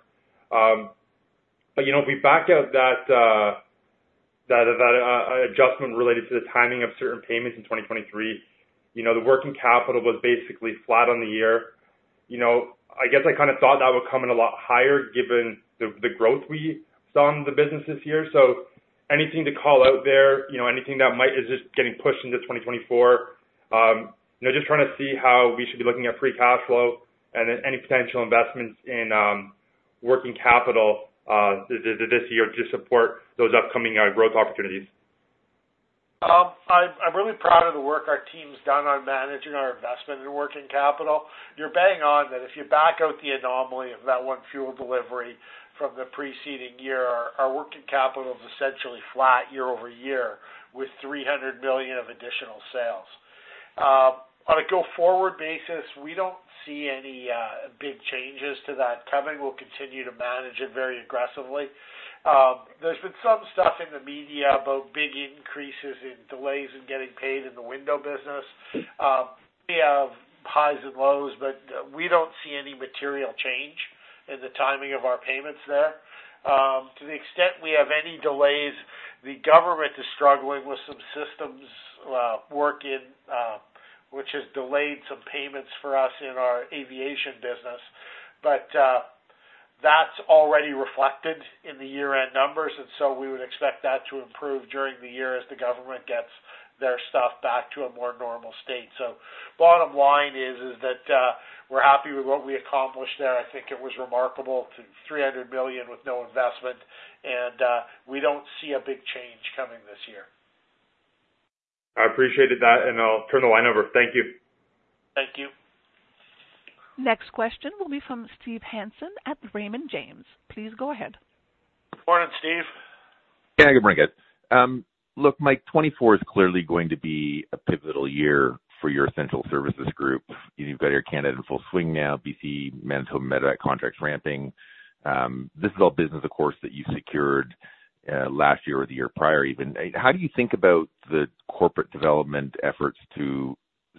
But you know, if we back out that adjustment related to the timing of certain payments in 2023, you know, the working capital was basically flat on the year. You know, I guess I kind of thought that would come in a lot higher given the growth we saw in the business this year. So anything to call out there? You know, anything that might be just getting pushed into 2024? You know, just trying to see how we should be looking at free cash flow and any potential investments in working capital this year to support those upcoming growth opportunities. I'm really proud of the work our team's done on managing our investment in working capital. You're bang on that if you back out the anomaly of that one fuel delivery from the preceding year, our working capital is essentially flat year-over-year, with 300 million of additional sales. On a go-forward basis, we don't see any big changes to that coming. We'll continue to manage it very aggressively. There's been some stuff in the media about big increases in delays in getting paid in the window business. We have highs and lows, but we don't see any material change in the timing of our payments there. To the extent we have any delays, the government is struggling with some systems working, which has delayed some payments for us in our aviation business. But, that's already reflected in the year-end numbers, and so we would expect that to improve during the year as the government gets their stuff back to a more normal state. So bottom line is, is that, we're happy with what we accomplished there. I think it was remarkable to 300 million with no investment, and, we don't see a big change coming this year. I appreciated that, and I'll turn the line over. Thank you. Thank you. Next question will be from Steve Hansen at Raymond James. Please go ahead. Morning, Steve. Yeah, good morning, guys. Look, Mike, 2024 is clearly going to be a pivotal year for your essential services group. You've got Air Canada in full swing now, BC, Manitoba medevac contracts ramping. This is all business, of course, that you secured last year or the year prior even. How do you think about the corporate development efforts to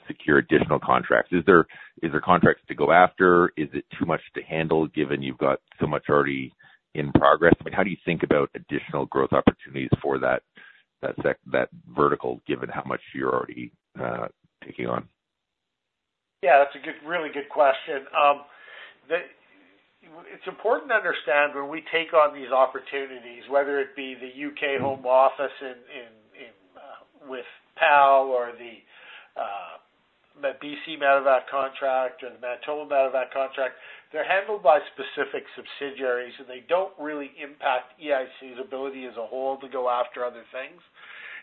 secure additional contracts? Is there, is there contracts to go after? Is it too much to handle, given you've got so much already in progress? I mean, how do you think about additional growth opportunities for that, that sec- that vertical, given how much you're already taking on? Yeah, that's a good, really good question. It's important to understand when we take on these opportunities, whether it be the UK Home Office with PAL or the BC medevac contract or the Manitoba medevac contract, they're handled by specific subsidiaries, and they don't really impact EIC's ability as a whole to go after other things.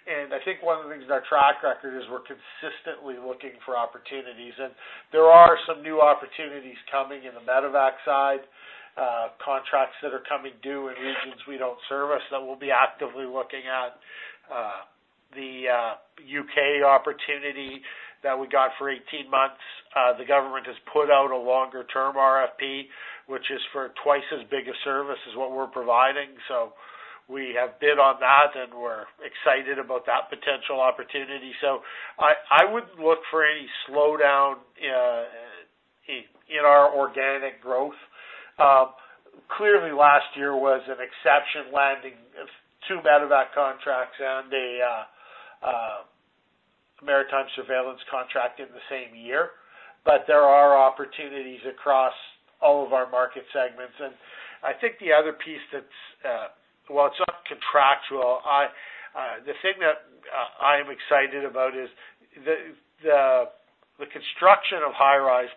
And I think one of the things in our track record is we're consistently looking for opportunities, and there are some new opportunities coming in the medevac side, contracts that are coming due in regions we don't service that we'll be actively looking at. The UK opportunity that we got for 18 months, the government has put out a longer-term RFP, which is for twice as big a service as what we're providing. So we have bid on that, and we're excited about that potential opportunity. So I wouldn't look for any slowdown in our organic growth. Clearly, last year was an exception, landing two medevac contracts and a maritime surveillance contract in the same year. But there are opportunities across all of our market segments. And I think the other piece that's well, it's not contractual, the thing that I'm excited about is the construction of high-rise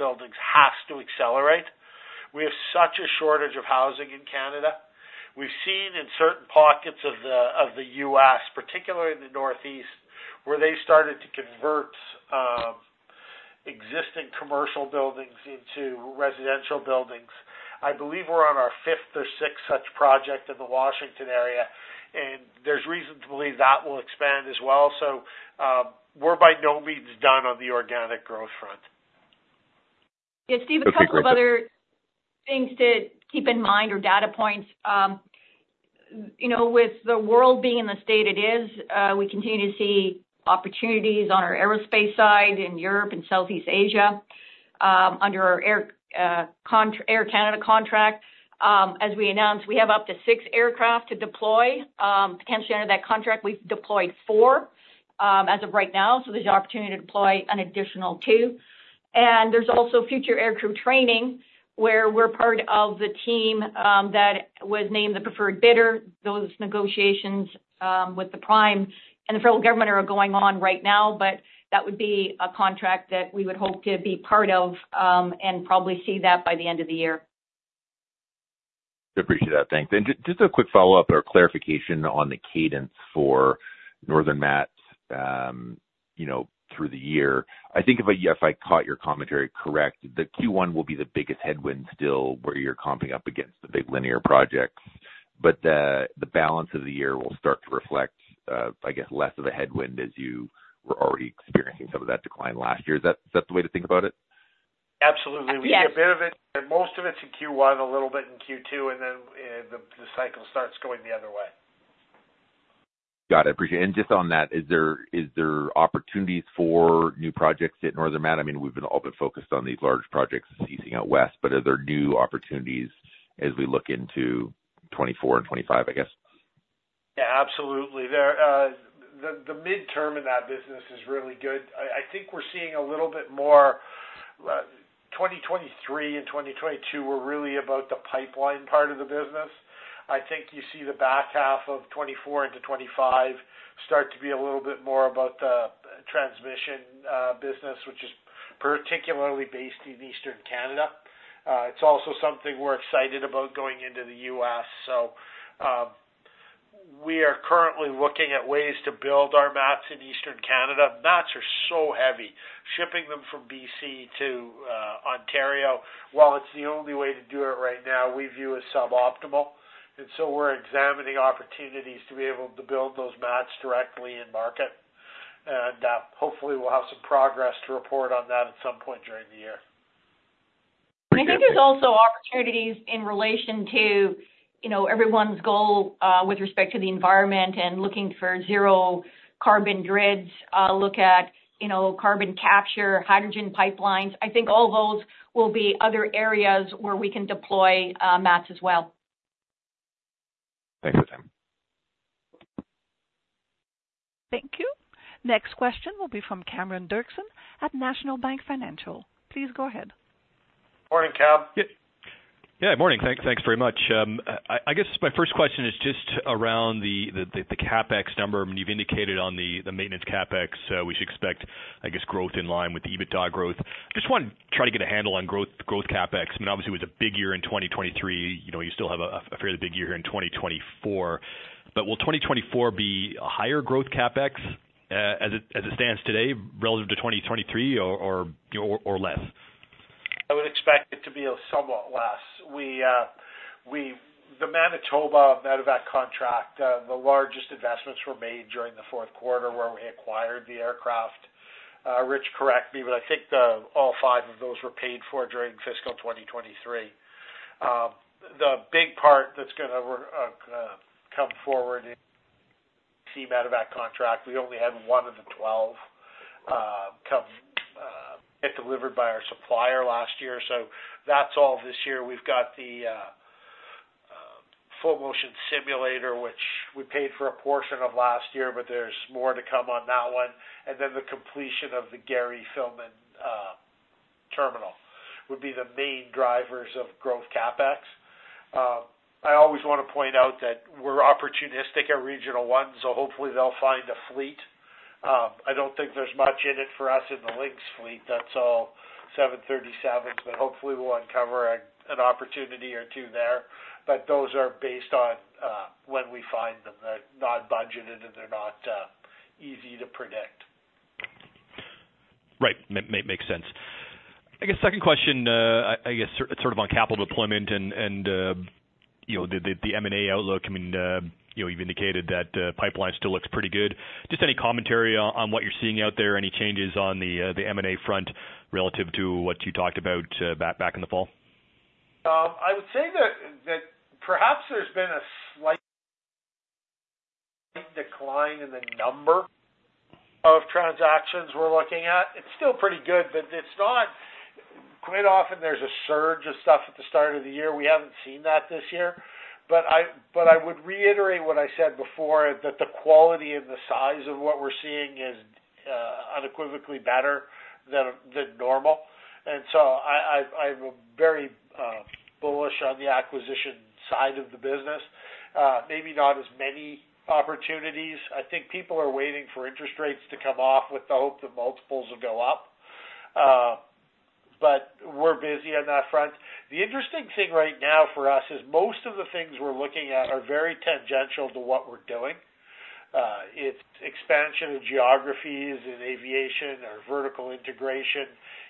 buildings has to accelerate. We have such a shortage of housing in Canada. We've seen in certain pockets of the U.S., particularly in the Northeast, where they started to convert existing commercial buildings into residential buildings. I believe we're on our fifth or sixth such project in the Washington area, and there's reason to believe that will expand as well. So, we're by no means done on the organic growth front. Yeah, Steve, a couple of other things to keep in mind or data points. You know, with the world being in the state it is, we continue to see opportunities on our aerospace side in Europe and Southeast Asia, under our Air Canada contract. As we announced, we have up to 6 aircraft to deploy. Potentially under that contract, we've deployed 4, as of right now, so there's an opportunity to deploy an additional 2. And there's also Future Aircrew Training, where we're part of the team that was named the preferred bidder. Those negotiations with the prime and the federal government are going on right now, but that would be a contract that we would hope to be part of, and probably see that by the end of the year. I appreciate that. Thanks. And just a quick follow-up or clarification on the cadence for Northern Mats, you know, through the year. I think if I caught your commentary correct, the Q1 will be the biggest headwind still, where you're comping up against the big linear projects, but, the balance of the year will start to reflect, I guess, less of a headwind as you were already experiencing some of that decline last year. Is that, is that the way to think about it? Absolutely. Yes. We see a bit of it, but most of it's in Q1, a little bit in Q2, and then the cycle starts going the other way. Got it. Appreciate it. And just on that, is there, is there opportunities for new projects at Northern Mat? I mean, we've been all but focused on these large projects seasoning out west, but are there new opportunities as we look into 2024 and 2025, I guess? Yeah, absolutely. The midterm in that business is really good. I think we're seeing a little bit more. 2023 and 2022 were really about the pipeline part of the business. I think you see the back half of 2024 into 2025 start to be a little bit more about the transmission business, which is particularly based in Eastern Canada. It's also something we're excited about going into the U.S. So, we are currently looking at ways to build our mats in Eastern Canada. Mats are so heavy, shipping them from BC to Ontario, while it's the only way to do it right now, we view as suboptimal. And so we're examining opportunities to be able to build those mats directly in market, and hopefully, we'll have some progress to report on that at some point during the year. I think there's also opportunities in relation to, you know, everyone's goal, with respect to the environment and looking for zero carbon grids, look at, you know, carbon capture, hydrogen pipelines. I think all those will be other areas where we can deploy, mats as well. Thanks for the time. Thank you. Next question will be from Cameron Doerksen at National Bank Financial. Please go ahead. Morning, Cam. Yeah, yeah, good morning. Thanks very much. I guess my first question is just around the CapEx number. I mean, you've indicated on the maintenance CapEx, so we should expect, I guess, growth in line with the EBITDA growth. Just want to try to get a handle on growth CapEx. I mean, obviously, it was a big year in 2023. You know, you still have a fairly big year in 2024. But will 2024 be a higher growth CapEx as it stands today relative to 2023 or, you know, or less? I would expect it to be somewhat less. We, the Manitoba Medevac contract, the largest investments were made during the fourth quarter, where we acquired the aircraft. Rich, correct me, but I think the, all five of those were paid for during fiscal 2023. The big part that's gonna work, come forward in Medevac contract, we only had one of the 12, come get delivered by our supplier last year. So that's all this year. We've got the, full motion simulator, which we paid for a portion of last year, but there's more to come on that one. And then the completion of the Gary Filmon terminal, would be the main drivers of growth CapEx. I always want to point out that we're opportunistic at Regional One, so hopefully they'll find a fleet. I don't think there's much in it for us in the Lynx fleet. That's all 737s, but hopefully we'll uncover an opportunity or two there. But those are based on when we find them. They're not budgeted, and they're not easy to predict. Right. Makes sense. I guess second question, I guess sort of on capital deployment and, you know, the M&A outlook. I mean, you know, you've indicated that the pipeline still looks pretty good. Just any commentary on what you're seeing out there? Any changes on the M&A front relative to what you talked about, back in the fall? I would say that, that perhaps there's been a slight decline in the number of transactions we're looking at. It's still pretty good, but it's not... Quite often, there's a surge of stuff at the start of the year. We haven't seen that this year. But I, but I would reiterate what I said before, that the quality and the size of what we're seeing is, unequivocally better than, than normal. And so I, I, I'm very, bullish on the acquisition side of the business. Maybe not as many opportunities. I think people are waiting for interest rates to come off with the hope that multiples will go up. But we're busy on that front. The interesting thing right now for us is most of the things we're looking at are very tangential to what we're doing. It's expansion of geographies in aviation or vertical integration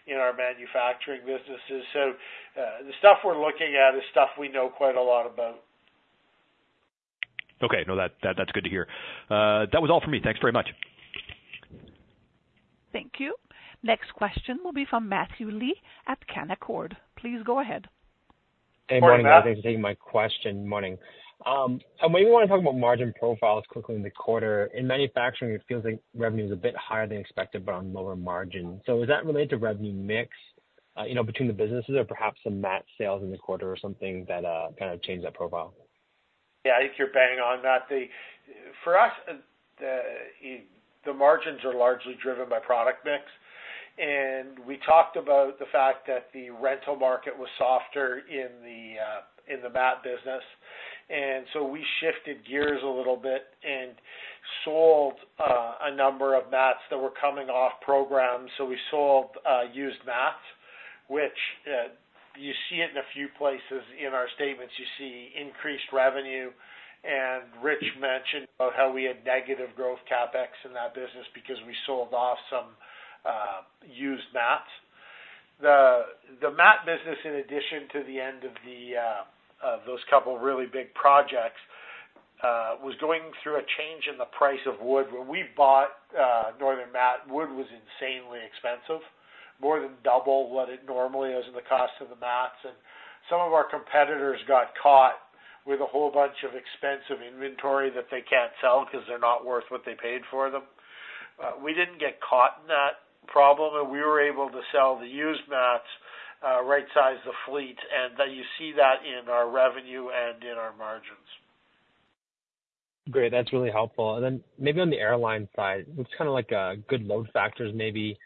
in our manufacturing businesses. So, the stuff we're looking at is stuff we know quite a lot about. Okay. No, that, that's good to hear. That was all for me. Thanks very much. Thank you. Next question will be from Matthew Lee at Canaccord. Please go ahead. Good morning, Matt. Thanks for taking my question. Morning. So maybe you wanna talk about margin profiles quickly in the quarter. In manufacturing, it feels like revenue is a bit higher than expected, but on lower margin. So is that related to revenue mix, you know, between the businesses or perhaps some mat sales in the quarter or something that kind of changed that profile? Yeah, I think you're bang on, Matt. The margins are largely driven by product mix. We talked about the fact that the rental market was softer in the mat business. So we shifted gears a little bit and sold a number of mats that were coming off program. We sold used mats, which you see in a few places in our statements. You see increased revenue, and Rich mentioned about how we had negative growth CapEx in that business because we sold off some used mats. The mat business, in addition to the end of those couple of really big projects, was going through a change in the price of wood. When we bought Northern Mat, wood was insanely expensive, more than double what it normally is in the cost of the mats. And some of our competitors got caught with a whole bunch of expensive inventory that they can't sell because they're not worth what they paid for them. We didn't get caught in that problem, and we were able to sell the used mats, right-size the fleet, and then you see that in our revenue and in our margins. Great. That's really helpful. And then maybe on the airline side, it's kind of like, good load factors, maybe,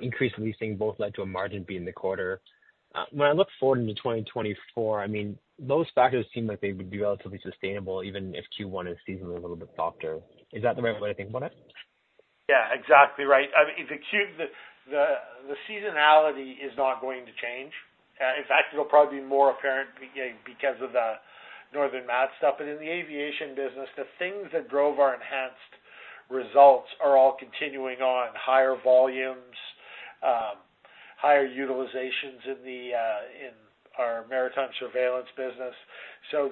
increased leasing both led to a margin being the quarter. When I look forward into 2024, I mean, those factors seem like they would be relatively sustainable, even if Q1 is seasonally a little bit softer. Is that the right way to think about it? Yeah, exactly right. I mean, the seasonality is not going to change. In fact, it'll probably be more apparent because of the Northern Mat stuff. But in the aviation business, the things that drove our enhanced results are all continuing on: higher volumes, higher utilizations in our maritime surveillance business. So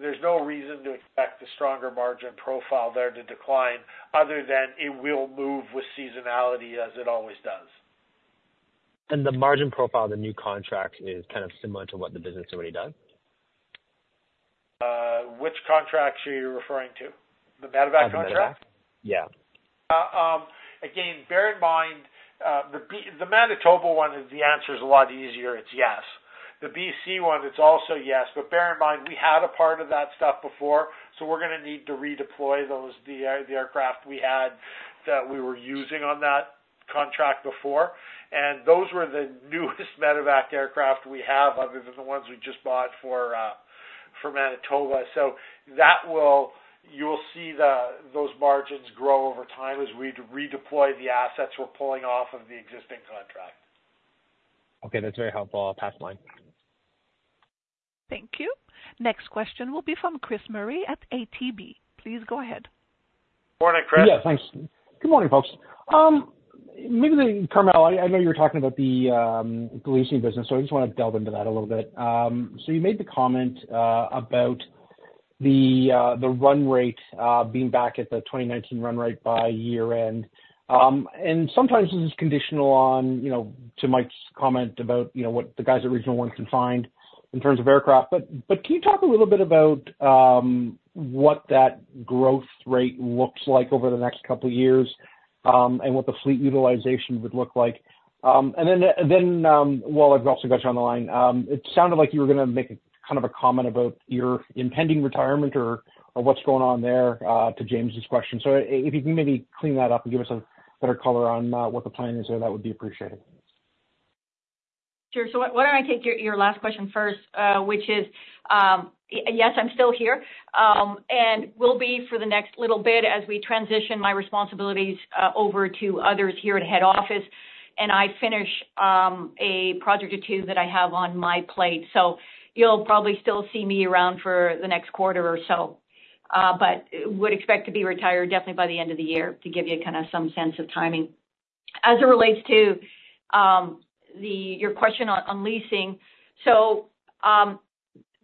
there's no reason to expect the stronger margin profile there to decline, other than it will move with seasonality as it always does. The margin profile, the new contract, is kind of similar to what the business has already done? Which contracts are you referring to? The medevac contract? Medevac. Yeah. Again, bear in mind, the Manitoba one, the answer is a lot easier. It's yes. The BC one, it's also yes. But bear in mind, we had a part of that stuff before, so we're gonna need to redeploy those aircraft we had that we were using on that contract before. And those were the newest medevac aircraft we have, other than the ones we just bought for Manitoba. So that will... You will see those margins grow over time as we redeploy the assets we're pulling off of the existing contract. Okay, that's very helpful. I'll pass the line. Thank you. Next question will be from Chris Murray at ATB. Please go ahead. Morning, Chris. Yeah, thanks. Good morning, folks. Maybe, Carmele, I know you're talking about the leasing business, so I just wanna delve into that a little bit. So you made the comment about the run rate being back at the 2019 run rate by year-end. And sometimes this is conditional on, you know, to Mike's comment about, you know, what the guys at Regional One can find in terms of aircraft. But can you talk a little bit about what that growth rate looks like over the next couple of years and what the fleet utilization would look like? And then, while I've also got you on the line, it sounded like you were gonna make kind of a comment about your impending retirement or what's going on there to James's question. So, if you can maybe clean that up and give us a better color on what the plan is there, that would be appreciated. Sure. So why don't I take your last question first, which is, yes, I'm still here, and will be for the next little bit as we transition my responsibilities over to others here at head office, and I finish a project or two that I have on my plate. So you'll probably still see me around for the next quarter or so, but would expect to be retired definitely by the end of the year, to give you kind of some sense of timing. As it relates to your question on leasing, so,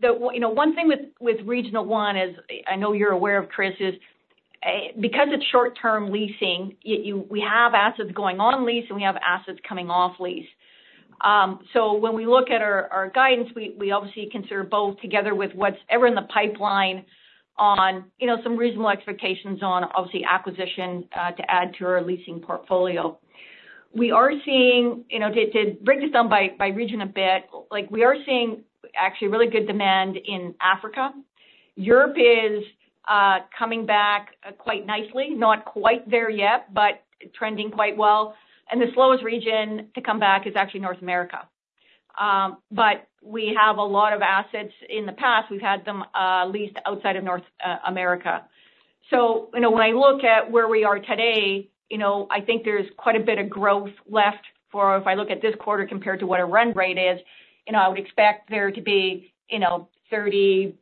you know, one thing with Regional One is, I know you're aware of, Chris, is, because it's short-term leasing, you, we have assets going on lease, and we have assets coming off lease. So when we look at our guidance, we obviously consider both together with whatever is in the pipeline on, you know, some reasonable expectations on, obviously, acquisition to add to our leasing portfolio. We are seeing, you know, to break this down by region a bit, like, we are seeing actually really good demand in Africa. Europe is coming back quite nicely, not quite there yet, but trending quite well. And the slowest region to come back is actually North America. But we have a lot of assets. In the past, we've had them leased outside of North America. So, you know, when I look at where we are today, you know, I think there's quite a bit of growth left for, if I look at this quarter compared to what our run rate is, you know, I would expect there to be, you know, 30-35%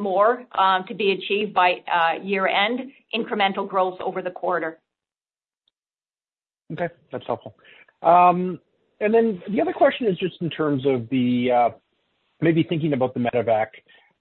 more, to be achieved by year end, incremental growth over the quarter. Okay, that's helpful. And then the other question is just in terms of the, maybe thinking about the medevac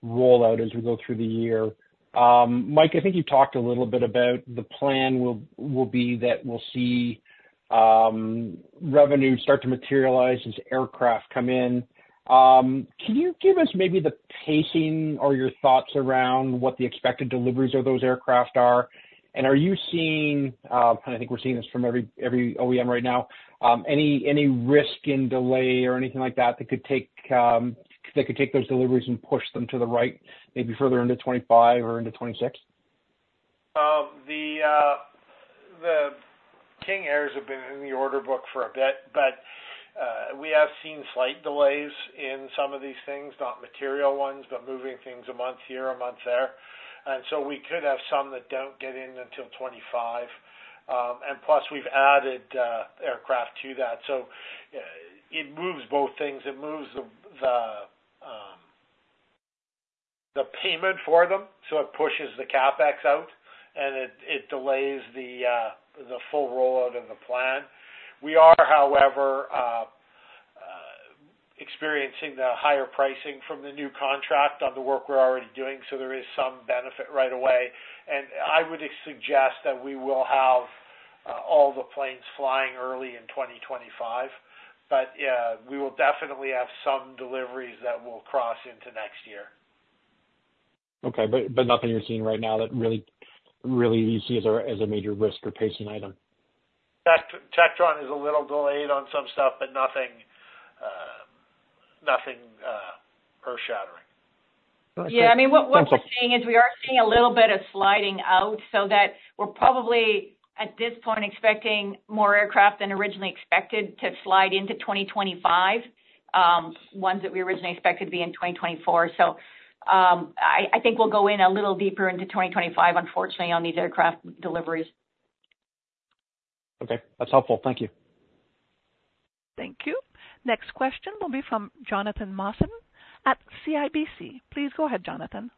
rollout as we go through the year. Mike, I think you talked a little bit about the plan will be that we'll see revenue start to materialize as aircraft come in. Can you give us maybe the pacing or your thoughts around what the expected deliveries of those aircraft are? And are you seeing, and I think we're seeing this from every OEM right now, any risk in delay or anything like that, that could take those deliveries and push them to the right, maybe further into 2025 or into 2026? The King Airs have been in the order book for a bit, but we have seen slight delays in some of these things. Not material ones, but moving things a month here, a month there. So we could have some that don't get in until 2025. And plus, we've added aircraft to that. So it moves both things. It moves the payment for them, so it pushes the CapEx out, and it delays the full rollout of the plan. We are, however, experiencing the higher pricing from the new contract on the work we're already doing, so there is some benefit right away. And I would suggest that we will have all the planes flying early in 2025. But, yeah, we will definitely have some deliveries that will cross into next year. Okay. But, but nothing you're seeing right now that really, really you see as a, as a major risk or pacing item? Textron is a little delayed on some stuff, but nothing earth-shattering. Yeah, I mean- Okay. Thanks.... what we're seeing is we are seeing a little bit of sliding out, so that we're probably, at this point, expecting more aircraft than originally expected to slide into 2025, ones that we originally expected to be in 2024. So, I think we'll go in a little deeper into 2025, unfortunately, on these aircraft deliveries. Okay, that's helpful. Thank you. Thank you. Next question will be from Kevin Chiang at CIBC. Please go ahead, Kevin.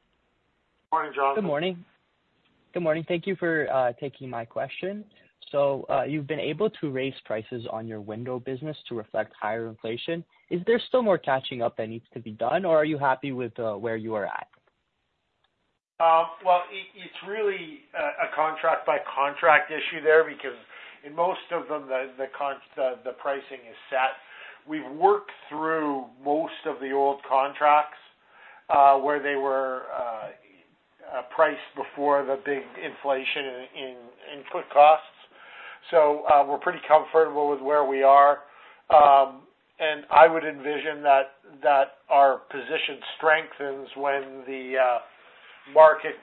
Morning, Jonathan. Good morning. Good morning. Thank you for taking my question. So, you've been able to raise prices on your window business to reflect higher inflation. Is there still more catching up that needs to be done, or are you happy with where you are at? Well, it's really a contract-by-contract issue there because in most of them, the pricing is set. We've worked through most of the old contracts, where they were priced before the big inflation in input costs. So, we're pretty comfortable with where we are. And I would envision that our position strengthens when the market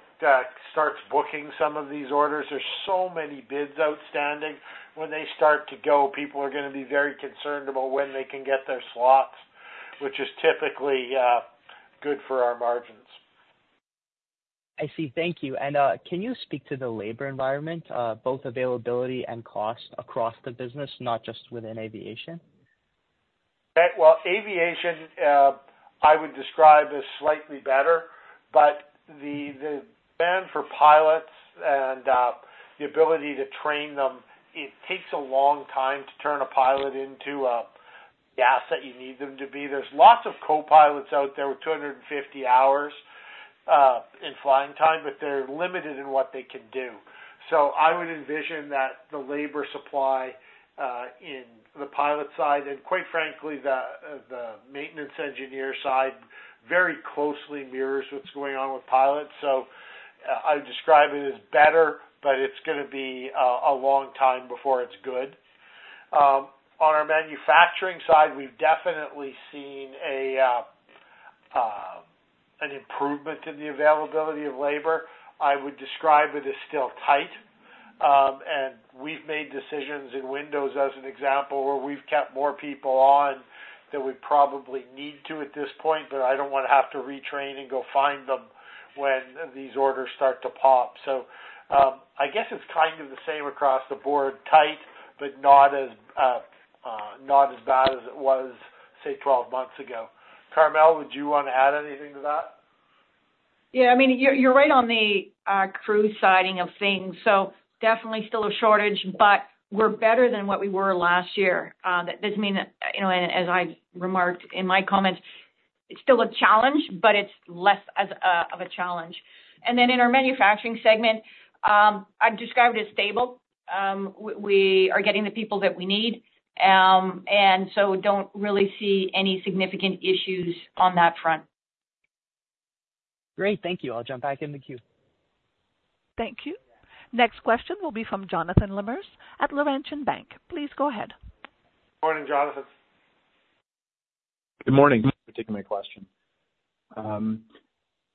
starts booking some of these orders. There's so many bids outstanding. When they start to go, people are gonna be very concerned about when they can get their slots, which is typically good for our margins. I see. Thank you. Can you speak to the labor environment, both availability and cost across the business, not just within aviation? Well, aviation, I would describe as slightly better, but the, the demand for pilots and, the ability to train them, it takes a long time to turn a pilot into an asset you need them to be. There's lots of co-pilots out there with 250 hours in flying time, but they're limited in what they can do. So I would envision that the labor supply in the pilot side, and quite frankly, the, the maintenance engineer side, very closely mirrors what's going on with pilots. So, I would describe it as better, but it's gonna be a long time before it's good. On our manufacturing side, we've definitely seen a, an improvement in the availability of labor. I would describe it as still tight. And we've made decisions in windows, as an example, where we've kept more people on than we probably need to at this point, but I don't wanna have to retrain and go find them when these orders start to pop. So, I guess it's kind of the same across the board, tight, but not as bad as it was, say, 12 months ago. Carmele, would you want to add anything to that? Yeah, I mean, you're right on the crew side of things. So definitely still a shortage, but we're better than what we were last year. That doesn't mean that, you know, and as I remarked in my comments, it's still a challenge, but it's less of a challenge. And then in our manufacturing segment, I'd describe it as stable. We are getting the people that we need, and so don't really see any significant issues on that front. Great, thank you. I'll jump back in the queue. Thank you. Next question will be from Jonathan Lamers at Laurentian Bank. Please go ahead. Morning, Jonathan. Good morning. Thanks for taking my question.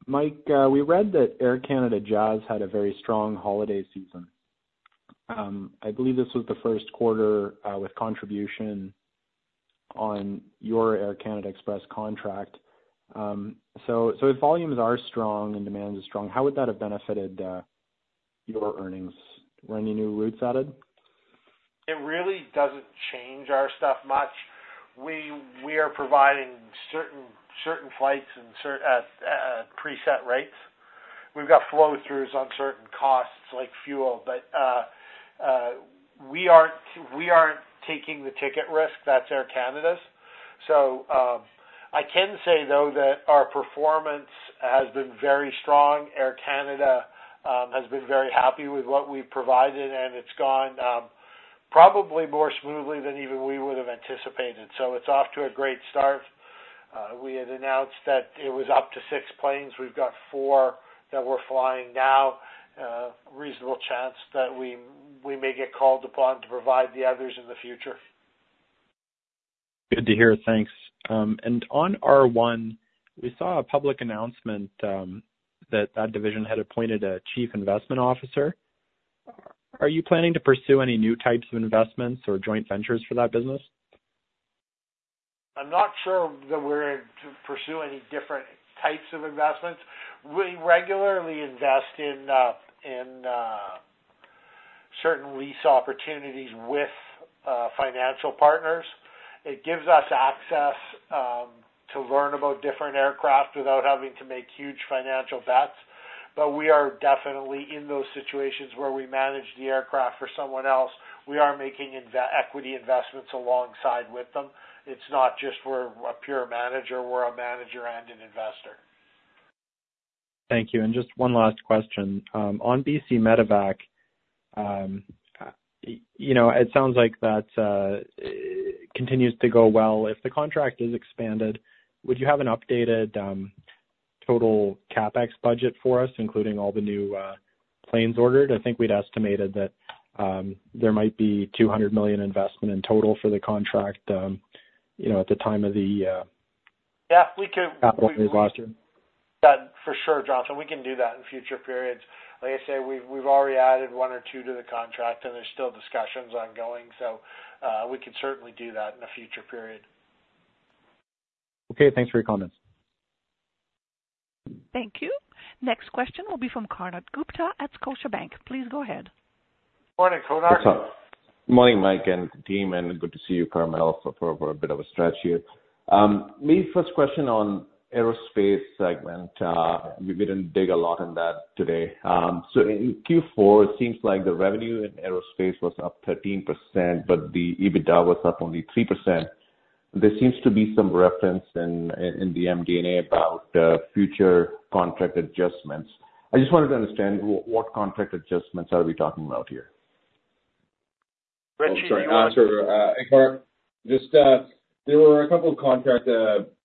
Mike, we read that Air Canada Jazz had a very strong holiday season. I believe this was the first quarter, with contribution on your Air Canada Express contract. So, so if volumes are strong and demand is strong, how would that have benefited, your earnings? Were any new routes added? It really doesn't change our stuff much. We are providing certain flights and certain preset rates. We've got flow-throughs on certain costs like fuel, but we aren't taking the ticket risk, that's Air Canada's. So I can say though, that our performance has been very strong. Air Canada has been very happy with what we've provided, and it's gone probably more smoothly than even we would've anticipated. So it's off to a great start. We had announced that it was up to 6 planes. We've got 4 that we're flying now. Reasonable chance that we may get called upon to provide the others in the future. Good to hear. Thanks. On R1, we saw a public announcement that the division had appointed a chief investment officer. Are you planning to pursue any new types of investments or joint ventures for that business? I'm not sure that we're going to pursue any different types of investments. We regularly invest in certain lease opportunities with financial partners. It gives us access to learn about different aircraft without having to make huge financial bets. But we are definitely in those situations where we manage the aircraft for someone else. We are making equity investments alongside with them. It's not just we're a pure manager, we're a manager and an investor. Thank you, and just one last question. On BC Medevac, you know, it sounds like that continues to go well. If the contract is expanded, would you have an updated total CapEx budget for us, including all the new planes ordered? I think we'd estimated that there might be 200 million investment in total for the contract, you know, at the time of the Yeah, we could-... That for sure, Jonathan, we can do that in future periods. Like I say, we've already added one or two to the contract, and there's still discussions ongoing, so we could certainly do that in a future period. Okay, thanks for your comments. Thank you. Next question will be from Konark Gupta at Scotiabank. Please go ahead. Morning, Konark. Good morning, Mike and team, and good to see you, Carmele, for, for a bit of a stretch here. My first question on aerospace segment, we didn't dig a lot on that today. So in Q4, it seems like the revenue in aerospace was up 13%, but the EBITDA was up only 3%. There seems to be some reference in the MD&A about future contract adjustments. I just wanted to understand what contract adjustments are we talking about here? Rich, do you wanna- Oh, sorry, I'll answer. Hey, Konark, just there were a couple of contract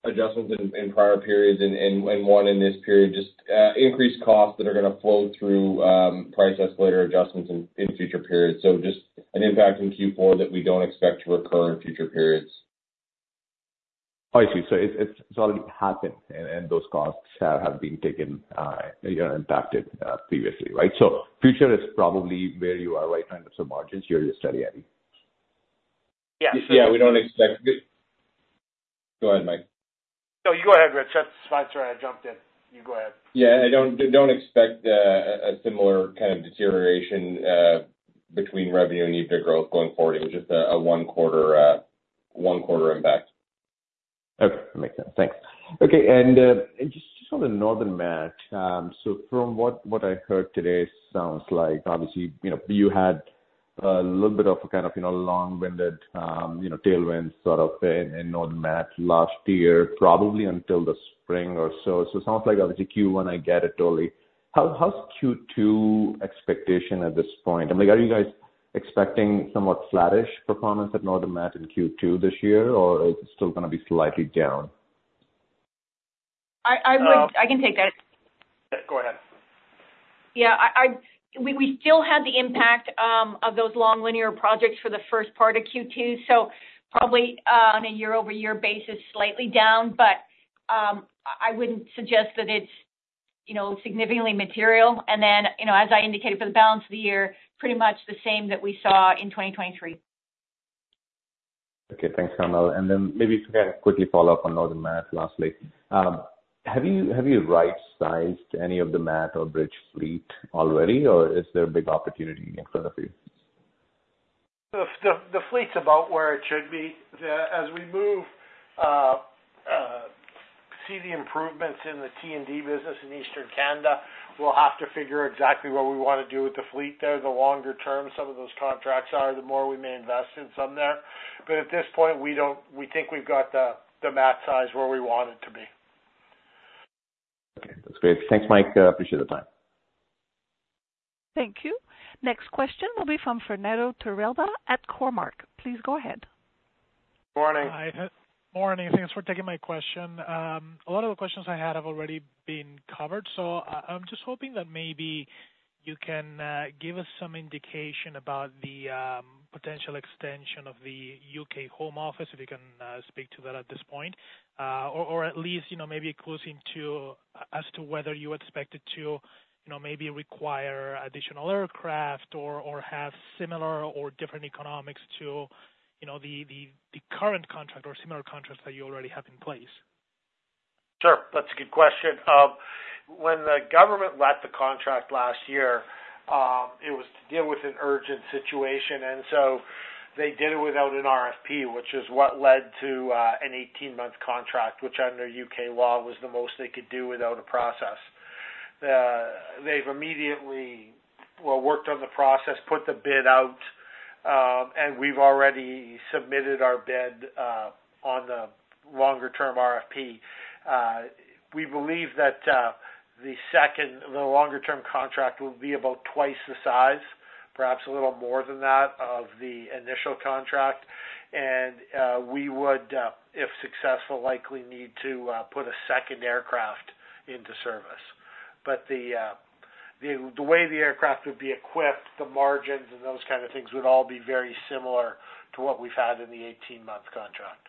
adjustments in prior periods and one in this period, just increased costs that are gonna flow through price escalator adjustments in future periods. So just an impact in Q4 that we don't expect to recur in future periods. I see. So it's already happened, and those costs have been taken, you know, impacted, previously, right? So future is probably where you are right now with the margins, you're just steady Eddie? Yes. Yeah, we don't expect... Go ahead, Mike. No, you go ahead, Rich. I'm sorry, I jumped in. You go ahead. Yeah, I don't expect a similar kind of deterioration between revenue and EBITDA growth going forward. It was just a one quarter impact. Okay, that makes sense. Thanks. Okay, and just on the Northern Mat, so from what I heard today, sounds like obviously, you know, you had a little bit of a kind of, you know, long-winded tailwinds sort of in Northern Mat last year, probably until the spring or so. So it sounds like obviously Q1, I get it totally. How's Q2 expectation at this point? I mean, are you guys expecting somewhat flattish performance at Northern Mat in Q2 this year, or is it still gonna be slightly down? I can take that. Yeah, go ahead. Yeah, we still have the impact of those long linear projects for the first part of Q2, so probably on a year-over-year basis, slightly down. But, I wouldn't suggest that it's, you know, significantly material. And then, you know, as I indicated for the balance of the year, pretty much the same that we saw in 2023. Okay, thanks, Carmele. And then maybe if I could quickly follow up on Northern Mat lastly. Have you, have you right-sized any of the mat or bridge fleet already, or is there a big opportunity in front of you? The fleet's about where it should be. As we move, see the improvements in the T&D business in Eastern Canada, we'll have to figure exactly what we want to do with the fleet there. The longer term some of those contracts are, the more we may invest in some there. But at this point, we don't. We think we've got the mat size where we want it to be. Okay, that's great. Thanks, Mike. Appreciate the time. Thank you. Next question will be from David Ocampo at Cormark. Please go ahead. Morning. Hi, morning. Thanks for taking my question. A lot of the questions I had have already been covered, so I, I'm just hoping that maybe you can give us some indication about the potential extension of the UK Home Office, if you can speak to that at this point? Or at least, you know, maybe a clue as to whether you expect it to, you know, maybe require additional aircraft or have similar or different economics to, you know, the current contract or similar contracts that you already have in place. Sure! That's a good question. When the government let the contract last year, it was to deal with an urgent situation, and so they did it without an RFP, which is what led to an 18-month contract, which under U.K. law, was the most they could do without a process. They've immediately well, worked on the process, put the bid out, and we've already submitted our bid on the longer term RFP. We believe that the second, the longer term contract will be about twice the size, perhaps a little more than that, of the initial contract. And we would, if successful, likely need to put a second aircraft into service. But the way the aircraft would be equipped, the margins, and those kind of things would all be very similar to what we've had in the 18-month contract.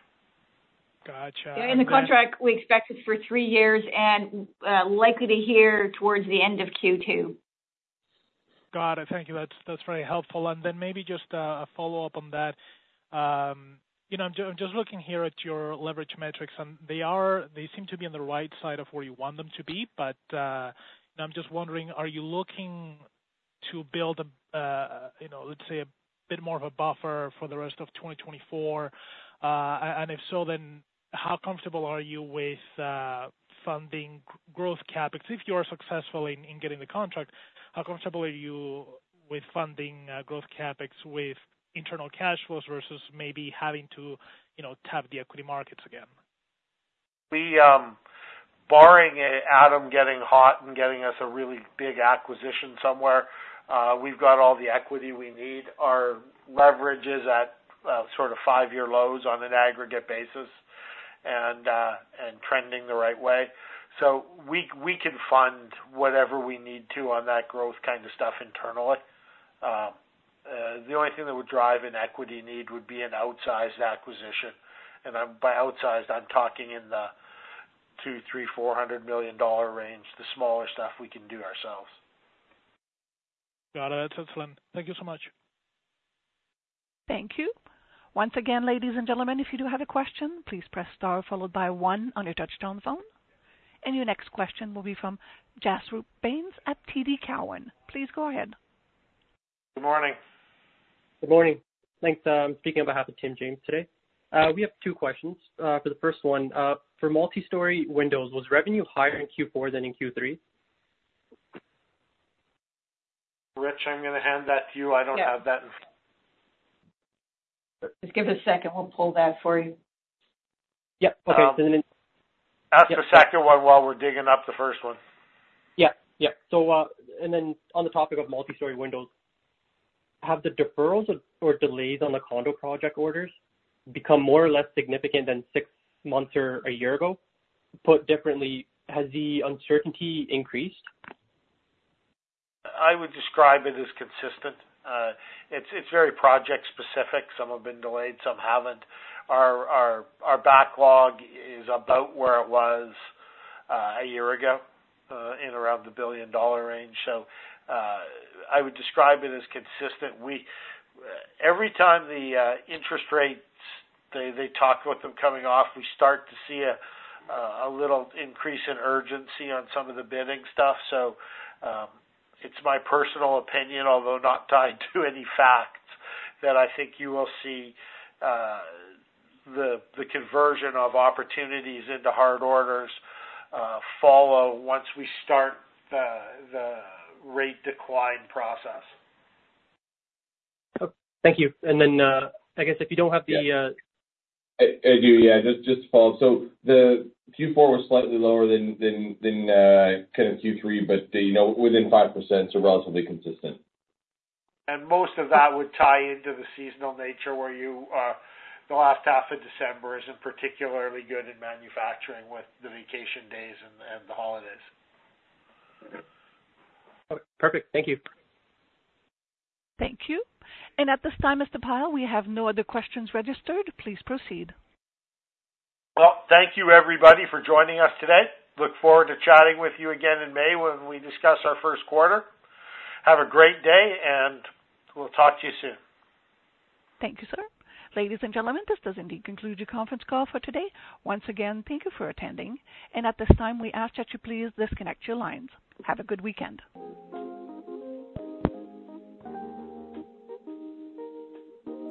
Gotcha- Yeah, and the contract, we expect it for three years and likely to hear towards the end of Q2. Got it. Thank you. That's, that's very helpful. And then maybe just a follow-up on that. You know, I'm just looking here at your leverage metrics, and they seem to be on the right side of where you want them to be. But I'm just wondering, are you looking to build a, you know, let's say a bit more of a buffer for the rest of 2024? And if so, then how comfortable are you with funding growth CapEx? If you are successful in getting the contract, how comfortable are you with funding growth CapEx with internal cash flows versus maybe having to, you know, tap the equity markets again? We, barring Adam getting hot and getting us a really big acquisition somewhere, we've got all the equity we need. Our leverage is at sort of 5-year lows on an aggregate basis and trending the right way. So we can fund whatever we need to on that growth kind of stuff internally. The only thing that would drive an equity need would be an outsized acquisition, and by outsized, I'm talking in the 200 million-400 million dollar range. The smaller stuff we can do ourselves. Got it. That's excellent. Thank you so much. Thank you. Once again, ladies and gentlemen, if you do have a question, please press star followed by one on your touchtone phone. Your next question will be from Jaspreet Bains at TD Cowen. Please go ahead. Good morning. Good morning. Thanks. I'm speaking on behalf of Tim James today. We have two questions. For the first one, for multi-story windows, was revenue higher in Q4 than in Q3? Rich, I'm gonna hand that to you. Yeah. I don't have that. Just give us a second. We'll pull that for you. Yep, okay. Ask the second one while we're digging up the first one. Yeah. Yeah. So, and then on the topic of multi-story windows, have the deferrals or delays on the condo project orders become more or less significant than six months or a year ago? Put differently, has the uncertainty increased? I would describe it as consistent. It's, it's very project specific. Some have been delayed, some haven't. Our backlog is about where it was a year ago in around the 1 billion dollar range. So I would describe it as consistent. We every time the interest rates, they, they talk about them coming off, we start to see a little increase in urgency on some of the bidding stuff. So it's my personal opinion, although not tied to any facts, that I think you will see the conversion of opportunities into hard orders follow once we start the rate decline process. Okay. Thank you, and then, I guess if you don't have the, I do, yeah, just to follow. So the Q4 was slightly lower than kind of Q3, but you know, within 5%, so relatively consistent. Most of that would tie into the seasonal nature, where you, the last half of December isn't particularly good in manufacturing with the vacation days and the holidays. Okay, perfect. Thank you. Thank you. At this time, Mr. Pyle, we have no other questions registered. Please proceed. Well, thank you, everybody, for joining us today. Look forward to chatting with you again in May when we discuss our first quarter. Have a great day, and we'll talk to you soon. Thank you, sir. Ladies and gentlemen, this does indeed conclude your conference call for today. Once again, thank you for attending, and at this time, we ask that you please disconnect your lines. Have a good weekend.